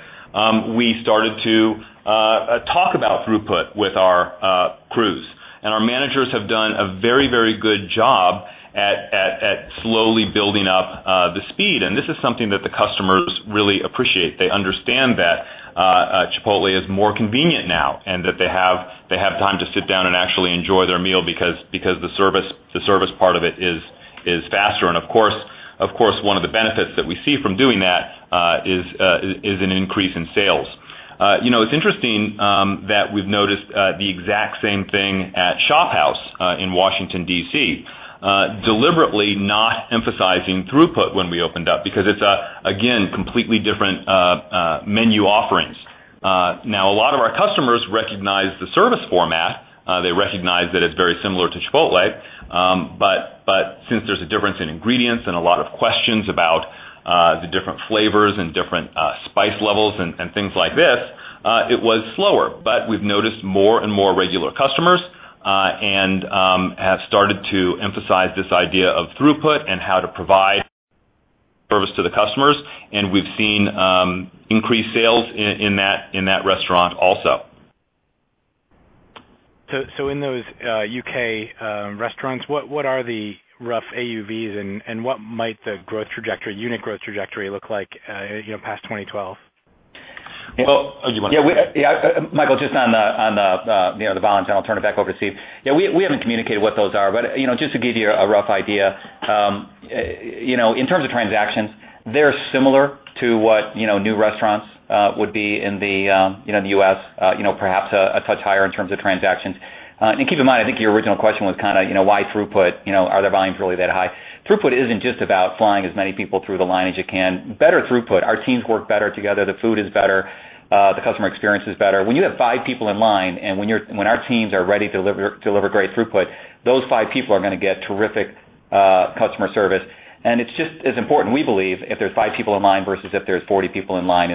we started to talk about throughput with our crews, and our managers have done a very, very good job at slowly building up the speed. This is something that the customers really appreciate. They understand that Chipotle is more convenient now and that they have time to sit down and actually enjoy their meal because the service part of it is faster. One of the benefits that we see from doing that is an increase in sales. It's interesting that we've noticed the exact same thing at Shophouse in Washington, DC, deliberately not emphasizing throughput when we opened up because it's, again, completely different menu offerings. A lot of our customers recognize the service format. They recognize that it's very similar to Chipotle, but since there's a difference in ingredients and a lot of questions about the different flavors and different spice levels and things like this, it was slower. We've noticed more and more regular customers and have started to emphasize this idea of throughput and how to provide service to the customers, and we've seen increased sales in that restaurant also. In those UK restaurants, what are the rough AUVs, and what might the growth trajectory, unit growth trajectory, look like past 2012? Yeah, Michael, just on the voluntary, I'll turn it back over to Steve. We haven't communicated what those are, but just to give you a rough idea, in terms of transactions, they're similar to what new restaurants would be in the U.S., perhaps a touch higher in terms of transactions. Keep in mind, I think your original question was kind of, you know, why throughput? Are their volumes really that high? Throughput isn't just about flying as many people through the line as you can. Better throughput means our teams work better together, the food is better, and the customer experience is better. When you have five people in line and when our teams are ready to deliver great throughput, those five people are going to get terrific customer service, and it's just as important, we believe, if there's five people in line versus if there's 40 people in line.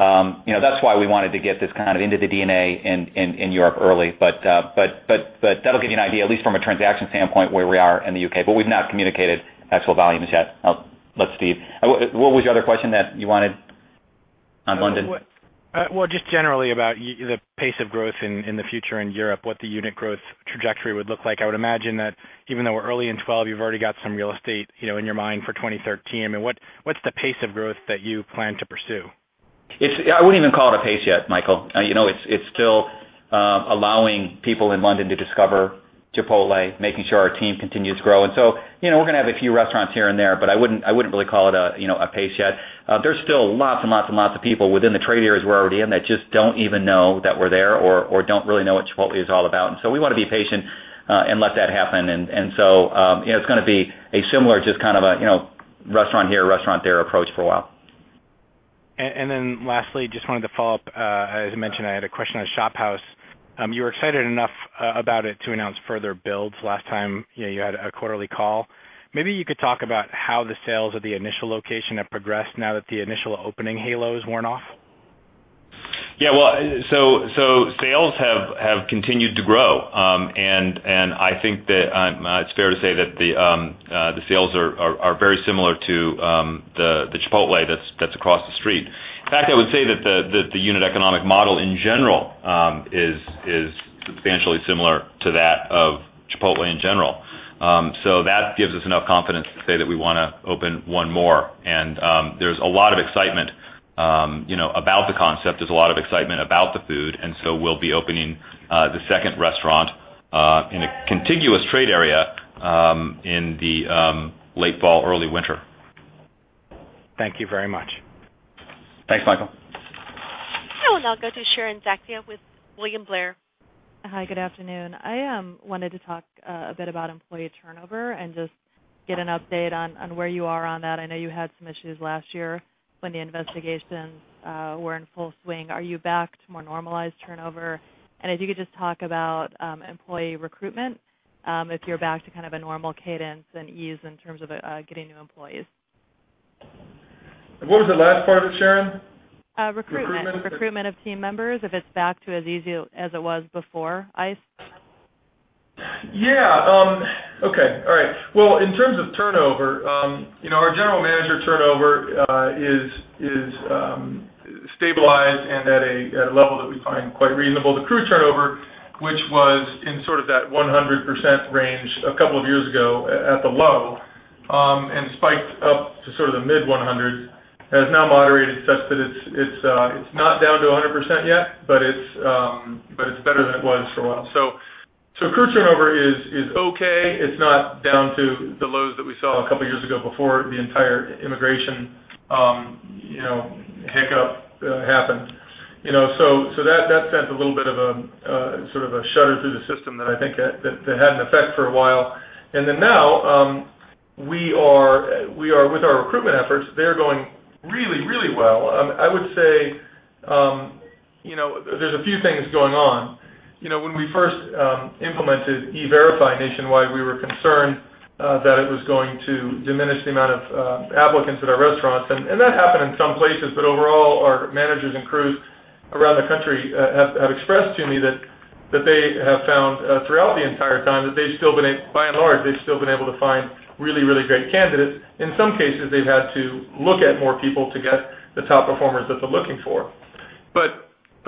That's why we wanted to get this kind of into the DNA in Europe early, but that'll give you an idea, at least from a transaction standpoint, where we are in the UK. We've not communicated actual volumes yet. I'll let Steve. What was your other question that you wanted on London? Generally, about the pace of growth in the future in Europe, what the unit growth trajectory would look like. I would imagine that even though we're early in 2012, you've already got some real estate in your mind for 2013. What's the pace of growth that you plan to pursue? I wouldn't even call it a pace yet, Michael. You know, it's still allowing people in London to discover Chipotle, making sure our team continues to grow. We're going to have a few restaurants here and there, but I wouldn't really call it a pace yet. There are still lots and lots and lots of people within the trade areas we're already in that just don't even know that we're there or don't really know what Chipotle is all about. We want to be patient and let that happen. It's going to be a similar just kind of a restaurant here, restaurant there approach for a while. Lastly, I just wanted to follow up. As I mentioned, I had a question on Shophouse. You were excited enough about it to announce further builds last time you had a quarterly call. Maybe you could talk about how the sales at the initial location have progressed now that the initial opening halo's worn off? Sales have continued to grow, and I think that it's fair to say that the sales are very similar to the Chipotle that's across the street. In fact, I would say that the unit economic model in general is substantially similar to that of Chipotle in general. That gives us enough confidence to say that we want to open one more, and there's a lot of excitement, you know, about the concept. There's a lot of excitement about the food, and we'll be opening the second restaurant in a contiguous trade area in the late fall, early winter. Thank you very much. Thanks, Michael. We will now go to Sharon Zackfia with William Blair. Hi. Good afternoon. I wanted to talk a bit about employee turnover and just get an update on where you are on that. I know you had some issues last year when the investigations were in full swing. Are you back to more normalized turnover? If you could just talk about employee recruitment, if you're back to kind of a normal cadence and ease in terms of getting new employees. What was the last part, Sharon? Recruitment. Recruitment of team members, if it's back to as easy as it was before ICE. In terms of turnover, our General Manager turnover is stabilized and at a level that we find quite reasonable. The crew turnover, which was in sort of that 100% range a couple of years ago at the low and spiked up to sort of the mid-100s, has now moderated such that it's not down to 100% yet, but it's better than it was for a while. Crew turnover is OK. It's not down to the lows that we saw a couple of years ago before the entire immigration hiccup happened. That sent a little bit of a sort of a shudder through the system that I think had an effect for a while. Now, we are with our recruitment efforts, they're going really, really well. I would say there's a few things going on. When we first implemented e-Verify nationwide, we were concerned that it was going to diminish the amount of applicants at our restaurants, and that happened in some places. Overall, our managers and crews around the country have expressed to me that they have found throughout the entire time that they've still been, by and large, they've still been able to find really, really great candidates. In some cases, they've had to look at more people to get the top performers that they're looking for.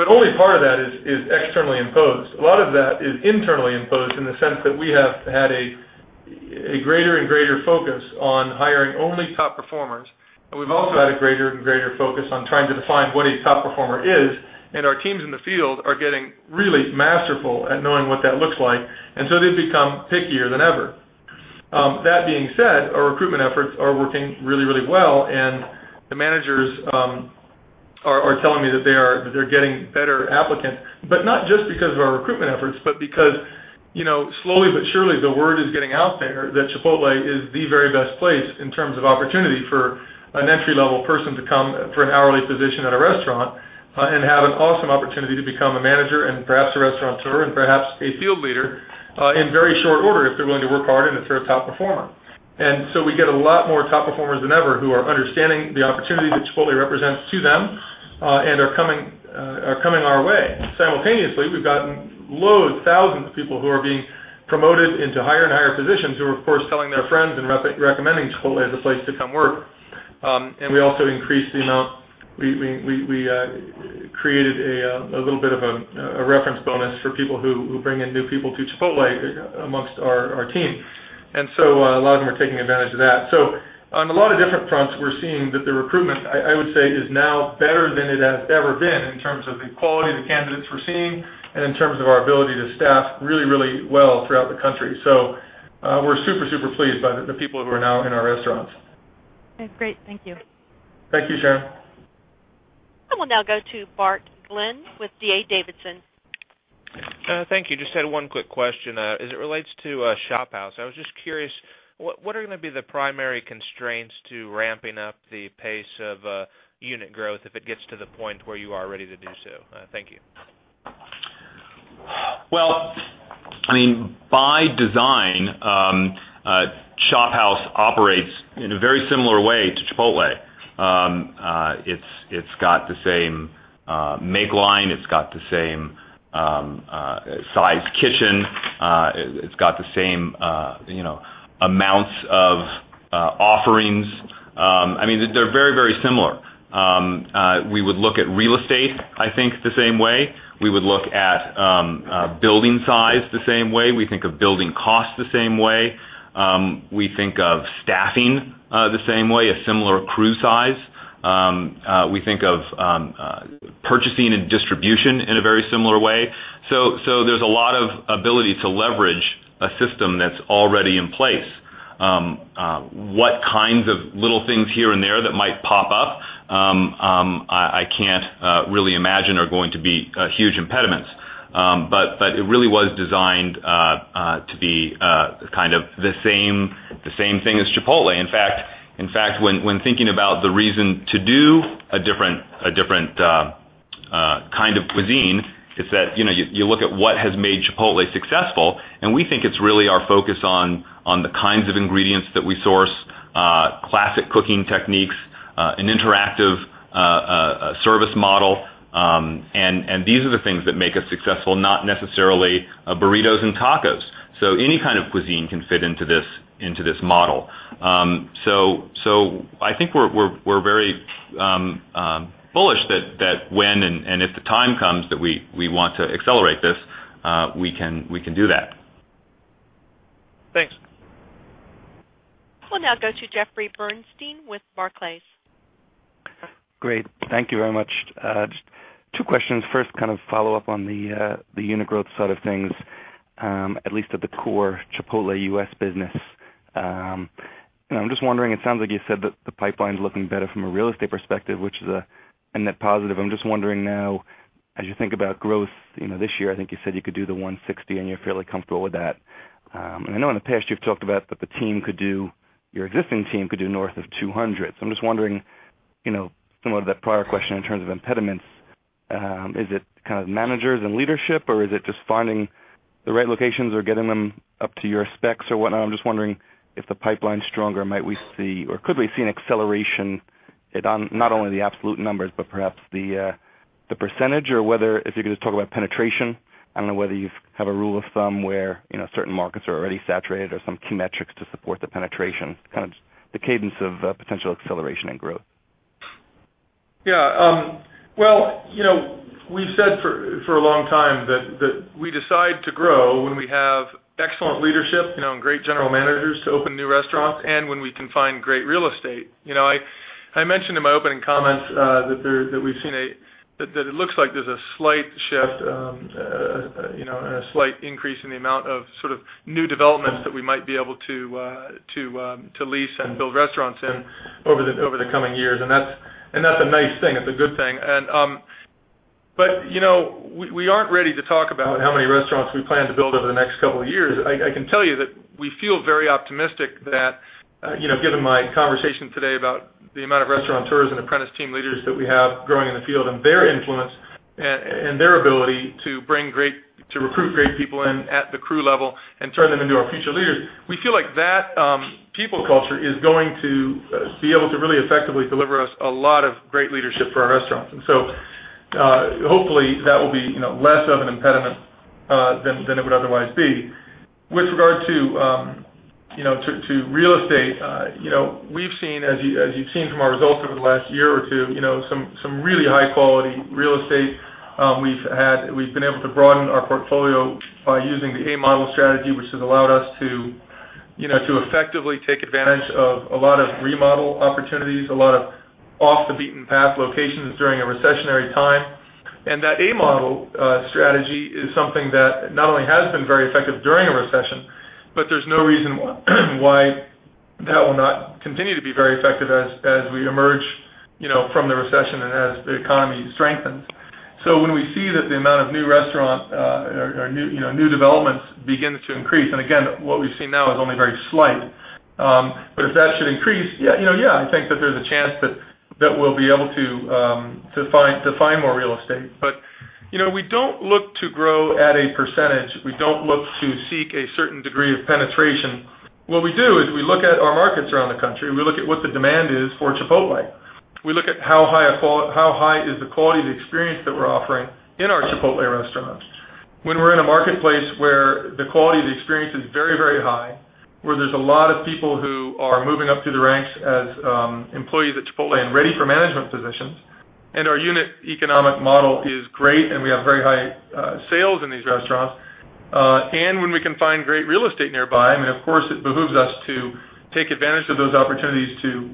Only part of that is externally imposed. A lot of that is internally imposed in the sense that we have had a greater and greater focus on hiring only top performers, and we've also had a greater and greater focus on trying to define what a top performer is, and our teams in the field are getting really masterful at knowing what that looks like. They've become pickier than ever. That being said, our recruitment efforts are working really, really well, and the managers are telling me that they're getting better applicants, but not just because of our recruitment efforts, but because, slowly but surely, the word is getting out there that Chipotle Mexican Grill is the very best place in terms of opportunity for an entry-level person to come for an hourly position at a restaurant and have an awesome opportunity to become a manager and perhaps a restaurateur and perhaps a field leader in very short order if they're willing to work hard and if they're a top performer. We get a lot more top performers than ever who are understanding the opportunity that Chipotle Mexican Grill represents to them and are coming our way. Simultaneously, we've gotten loads, thousands of people who are being promoted into higher and higher positions who are, of course, telling their friends and recommending Chipotle as a place to come work. We also increased the amount; we created a little bit of a reference bonus for people who bring in new people to Chipotle amongst our team, and a lot of them are taking advantage of that. On a lot of different fronts, we're seeing that the recruitment, I would say, is now better than it has ever been in terms of the quality of the candidates we're seeing and in terms of our ability to staff really, really well throughout the country. We're super, super pleased by the people who are now in our restaurants. That's great. Thank you. Thank you, Sharon. We will now go to Bart Glenn with D.A. Davidson. Thank you. Just had one quick question as it relates to Shophouse. I was just curious, what are going to be the primary constraints to ramping up the pace of unit growth if it gets to the point where you are ready to do so? Thank you. By design, Shophouse operates in a very similar way to Chipotle. It's got the same make line. It's got the same sized kitchen. It's got the same, you know, amounts of offerings. They're very, very similar. We would look at real estate, I think, the same way. We would look at building size the same way. We think of building costs the same way. We think of staffing the same way, a similar crew size. We think of purchasing and distribution in a very similar way. There's a lot of ability to leverage a system that's already in place. What kinds of little things here and there that might pop up, I can't really imagine are going to be huge impediments, but it really was designed to be kind of the same thing as Chipotle. In fact, when thinking about the reason to do a different kind of cuisine, it's that, you know, you look at what has made Chipotle successful, and we think it's really our focus on the kinds of ingredients that we source, classic cooking techniques, an interactive service model, and these are the things that make us successful, not necessarily burritos and tacos. Any kind of cuisine can fit into this model. I think we're very bullish that when and if the time comes that we want to accelerate this, we can do that. Thanks. will now go to Jeffrey Bernstein with Barclays. Great. Thank you very much. Just two questions. First, kind of follow up on the unit growth side of things, at least at the core Chipotle U.S. business. I'm just wondering, it sounds like you said that the pipeline is looking better from a real estate perspective, which is a net positive. I'm just wondering now, as you think about growth this year, I think you said you could do the 160, and you're fairly comfortable with that. I know in the past you've talked about that the team could do, your existing team could do north of 200. I'm just wondering, similar to that prior question in terms of impediments, is it kind of managers and leadership, or is it just finding the right locations or getting them up to your specs or whatnot? I'm just wondering if the pipeline is stronger, might we see, or could we see an acceleration in not only the absolute numbers, but perhaps the percentage or whether, if you could just talk about penetration, I don't know whether you have a rule of thumb where certain markets are already saturated or some key metrics to support the penetration, kind of the cadence of potential acceleration and growth. Yeah. You know, we've said for a long time that we decide to grow when we have excellent leadership, you know, and great General Managers to open new restaurants and when we can find great real estate. I mentioned in my opening comments that it looks like there's a slight shift, you know, and a slight increase in the amount of sort of new developments that we might be able to lease and build restaurants in over the coming years, and that's a nice thing. It's a good thing. You know, we aren't ready to talk about how many restaurants we plan to build over the next couple of years. I can tell you that we feel very optimistic that, you know, given my conversation today about the amount of restaurateurs and apprentice team leaders that we have growing in the field and their influence and their ability to recruit great people in at the crew level and turn them into our future leaders, we feel like that people culture is going to be able to really effectively deliver us a lot of great leadership for our restaurants. Hopefully that will be, you know, less of an impediment than it would otherwise be. With regard to real estate, you know, we've seen, as you've seen from our results over the last year or two, some really high-quality real estate. We've been able to broaden our portfolio by using the A-model strategy, which has allowed us to effectively take advantage of a lot of remodel opportunities, a lot of off-the-beaten-path locations during a recessionary time. That A-model strategy is something that not only has been very effective during a recession, but there's no reason why that will not continue to be very effective as we emerge from the recession and as the economy strengthens. When we see that the amount of new restaurant or new developments begins to increase, and again, what we've seen now is only very slight, if that should increase, you know, I think that there's a chance that we'll be able to find more real estate. You know, we don't look to grow at a percentage. We don't look to seek a certain degree of penetration. What we do is we look at our markets around the country. We look at what the demand is for Chipotle. We look at how high is the quality of the experience that we're offering in our Chipotle restaurants. When we're in a marketplace where the quality of the experience is very, very high, where there's a lot of people who are moving up through the ranks as employees at Chipotle and ready for management positions, and our unit economic model is great, and we have very high sales in these restaurants, and when we can find great real estate nearby, it behooves us to take advantage of those opportunities to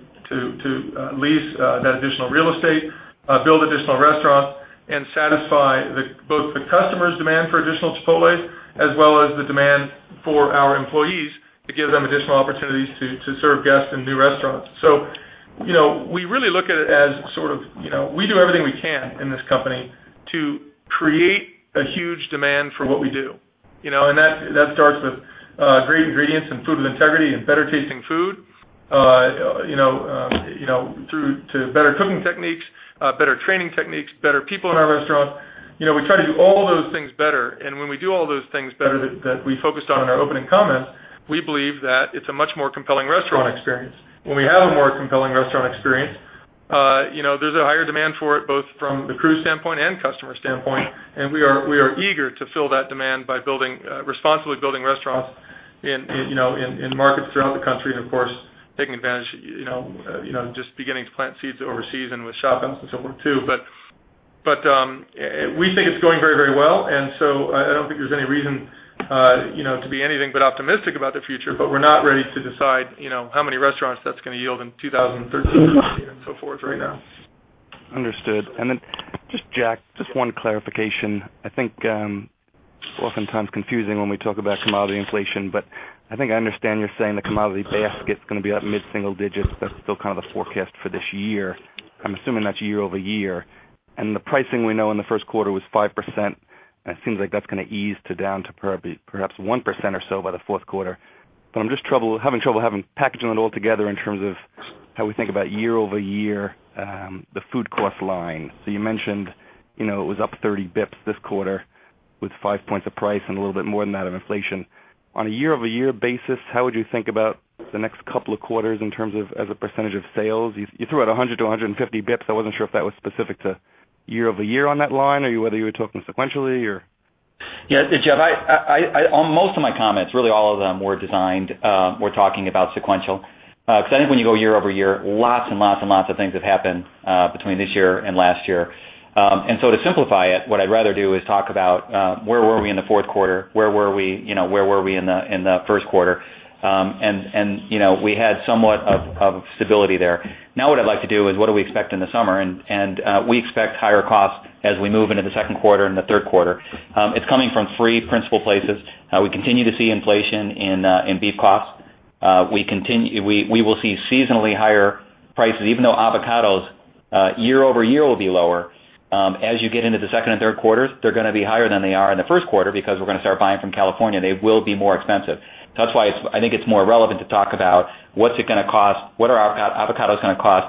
lease that additional real estate, build additional restaurants, and satisfy both the customer's demand for additional Chipotles as well as the demand for our employees to give them additional opportunities to serve guests in new restaurants. We really look at it as sort of, we do everything we can in this company to create a huge demand for what we do, and that starts with great ingredients and food with integrity and better tasting food, through to better cooking techniques, better training techniques, better people in our restaurant. We try to do all of those things better, and when we do all those things better that we focused on in our opening comment, we believe that it's a much more compelling restaurant experience. When we have a more compelling restaurant experience, there's a higher demand for it both from the crew standpoint and customer standpoint, and we are eager to fill that demand by responsibly building restaurants in markets throughout the country, and of course, taking advantage, just beginning to plant seeds overseas and with shop and so forth too. We think it's going very, very well, and I don't think there's any reason to be anything but optimistic about the future, but we're not ready to decide how many restaurants that's going to yield in 2013 and so forth right now. Understood. Jack, just one clarification. I think oftentimes it's confusing when we talk about commodity inflation, but I think I understand you're saying the commodity basket's going to be up mid-single digits. That's still kind of the forecast for this year. I'm assuming that's year-over-year, and the pricing we know in the first quarter was 5%, and it seems like that's going to ease down to perhaps 1% or so by the fourth quarter. I'm just having trouble packaging it all together in terms of how we think about year-over-year the food cost line. You mentioned it was up 30 bps this quarter with five points of price and a little bit more than that of inflation. On a year-over-year basis, how would you think about the next couple of quarters in terms of as a percentage of sales? You threw out 100 to 150 bps. I wasn't sure if that was specific to year-over - year on that line or whether you were talking sequentially. Yeah, Jeff, most of my comments, really all of them, were designed, we're talking about sequential. Because I think when you go year-over-year, lots and lots and lots of things have happened between this year and last year. To simplify it, what I'd rather do is talk about where were we in the fourth quarter, where were we in the first quarter, and we had somewhat of stability there. Now what I'd like to do is what do we expect in the summer, and we expect higher costs as we move into the second quarter and the third quarter. It's coming from three principal places. We continue to see inflation in beef costs. We will see seasonally higher prices, even though avocados year-over-year will be lower. As you get into the second and third quarters, they're going to be higher than they are in the first quarter because we're going to start buying from California. They will be more expensive. That's why I think it's more relevant to talk about what's it going to cost, what are avocados going to cost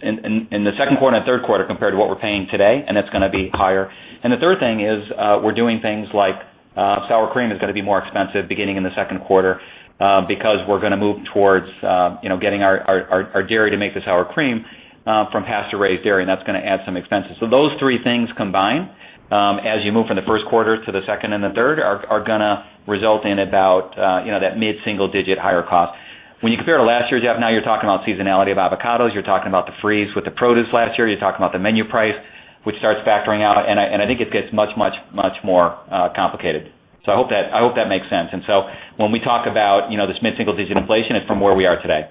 in the second quarter and third quarter compared to what we're paying today, and that's going to be higher. The third thing is we're doing things like sour cream is going to be more expensive beginning in the second quarter because we're going to move towards getting our dairy to make the sour cream from pasture-raised dairy, and that's going to add some expenses. Those three things combined as you move from the first quarter to the second and the third are going to result in about that mid-single-digit higher cost. When you compare the last. You're talking about seasonality of avocados, you're talking about the freeze with the produce last year, you're talking about the menu price, which starts factoring out. I think it gets much, much, much more complicated. I hope that makes sense. When we talk about, you know, this mid-single-digit inflation, it's from where we are today.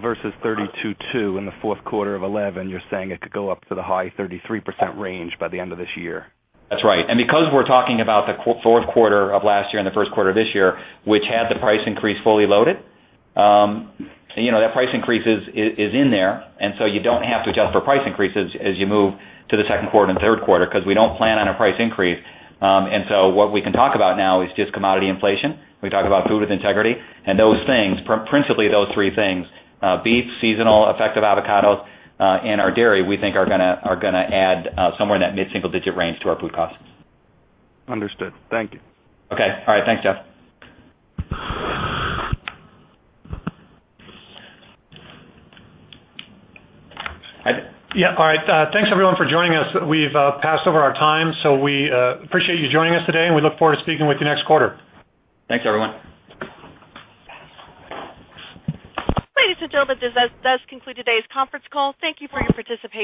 Versus 32.2% in the fourth quarter of 2011. You're saying it could go up to the high 33% range by the end of this year. That's right. Because we're talking about the fourth quarter of last year and the first quarter of this year, which had the price increase fully loaded, that price increase is in there. You don't have to adjust for price increases as you move to the second quarter and third quarter because we don't plan on a price increase. What we can talk about now is just commodity inflation. We talk about food with integrity and those things, principally those three things: beef, seasonal, effective avocados, and our dairy, we think are going to add somewhere in that mid-single-digit range to our food costs. Understood. Thank you. Okay. All right. Thanks, Jeff. All right. Thanks, everyone, for joining us. We've passed over our time. We appreciate you joining us today, and we look forward to speaking with you next quarter. Thanks, everyone. Ladies and gentlemen, this does conclude today's conference call. Thank you for your participation.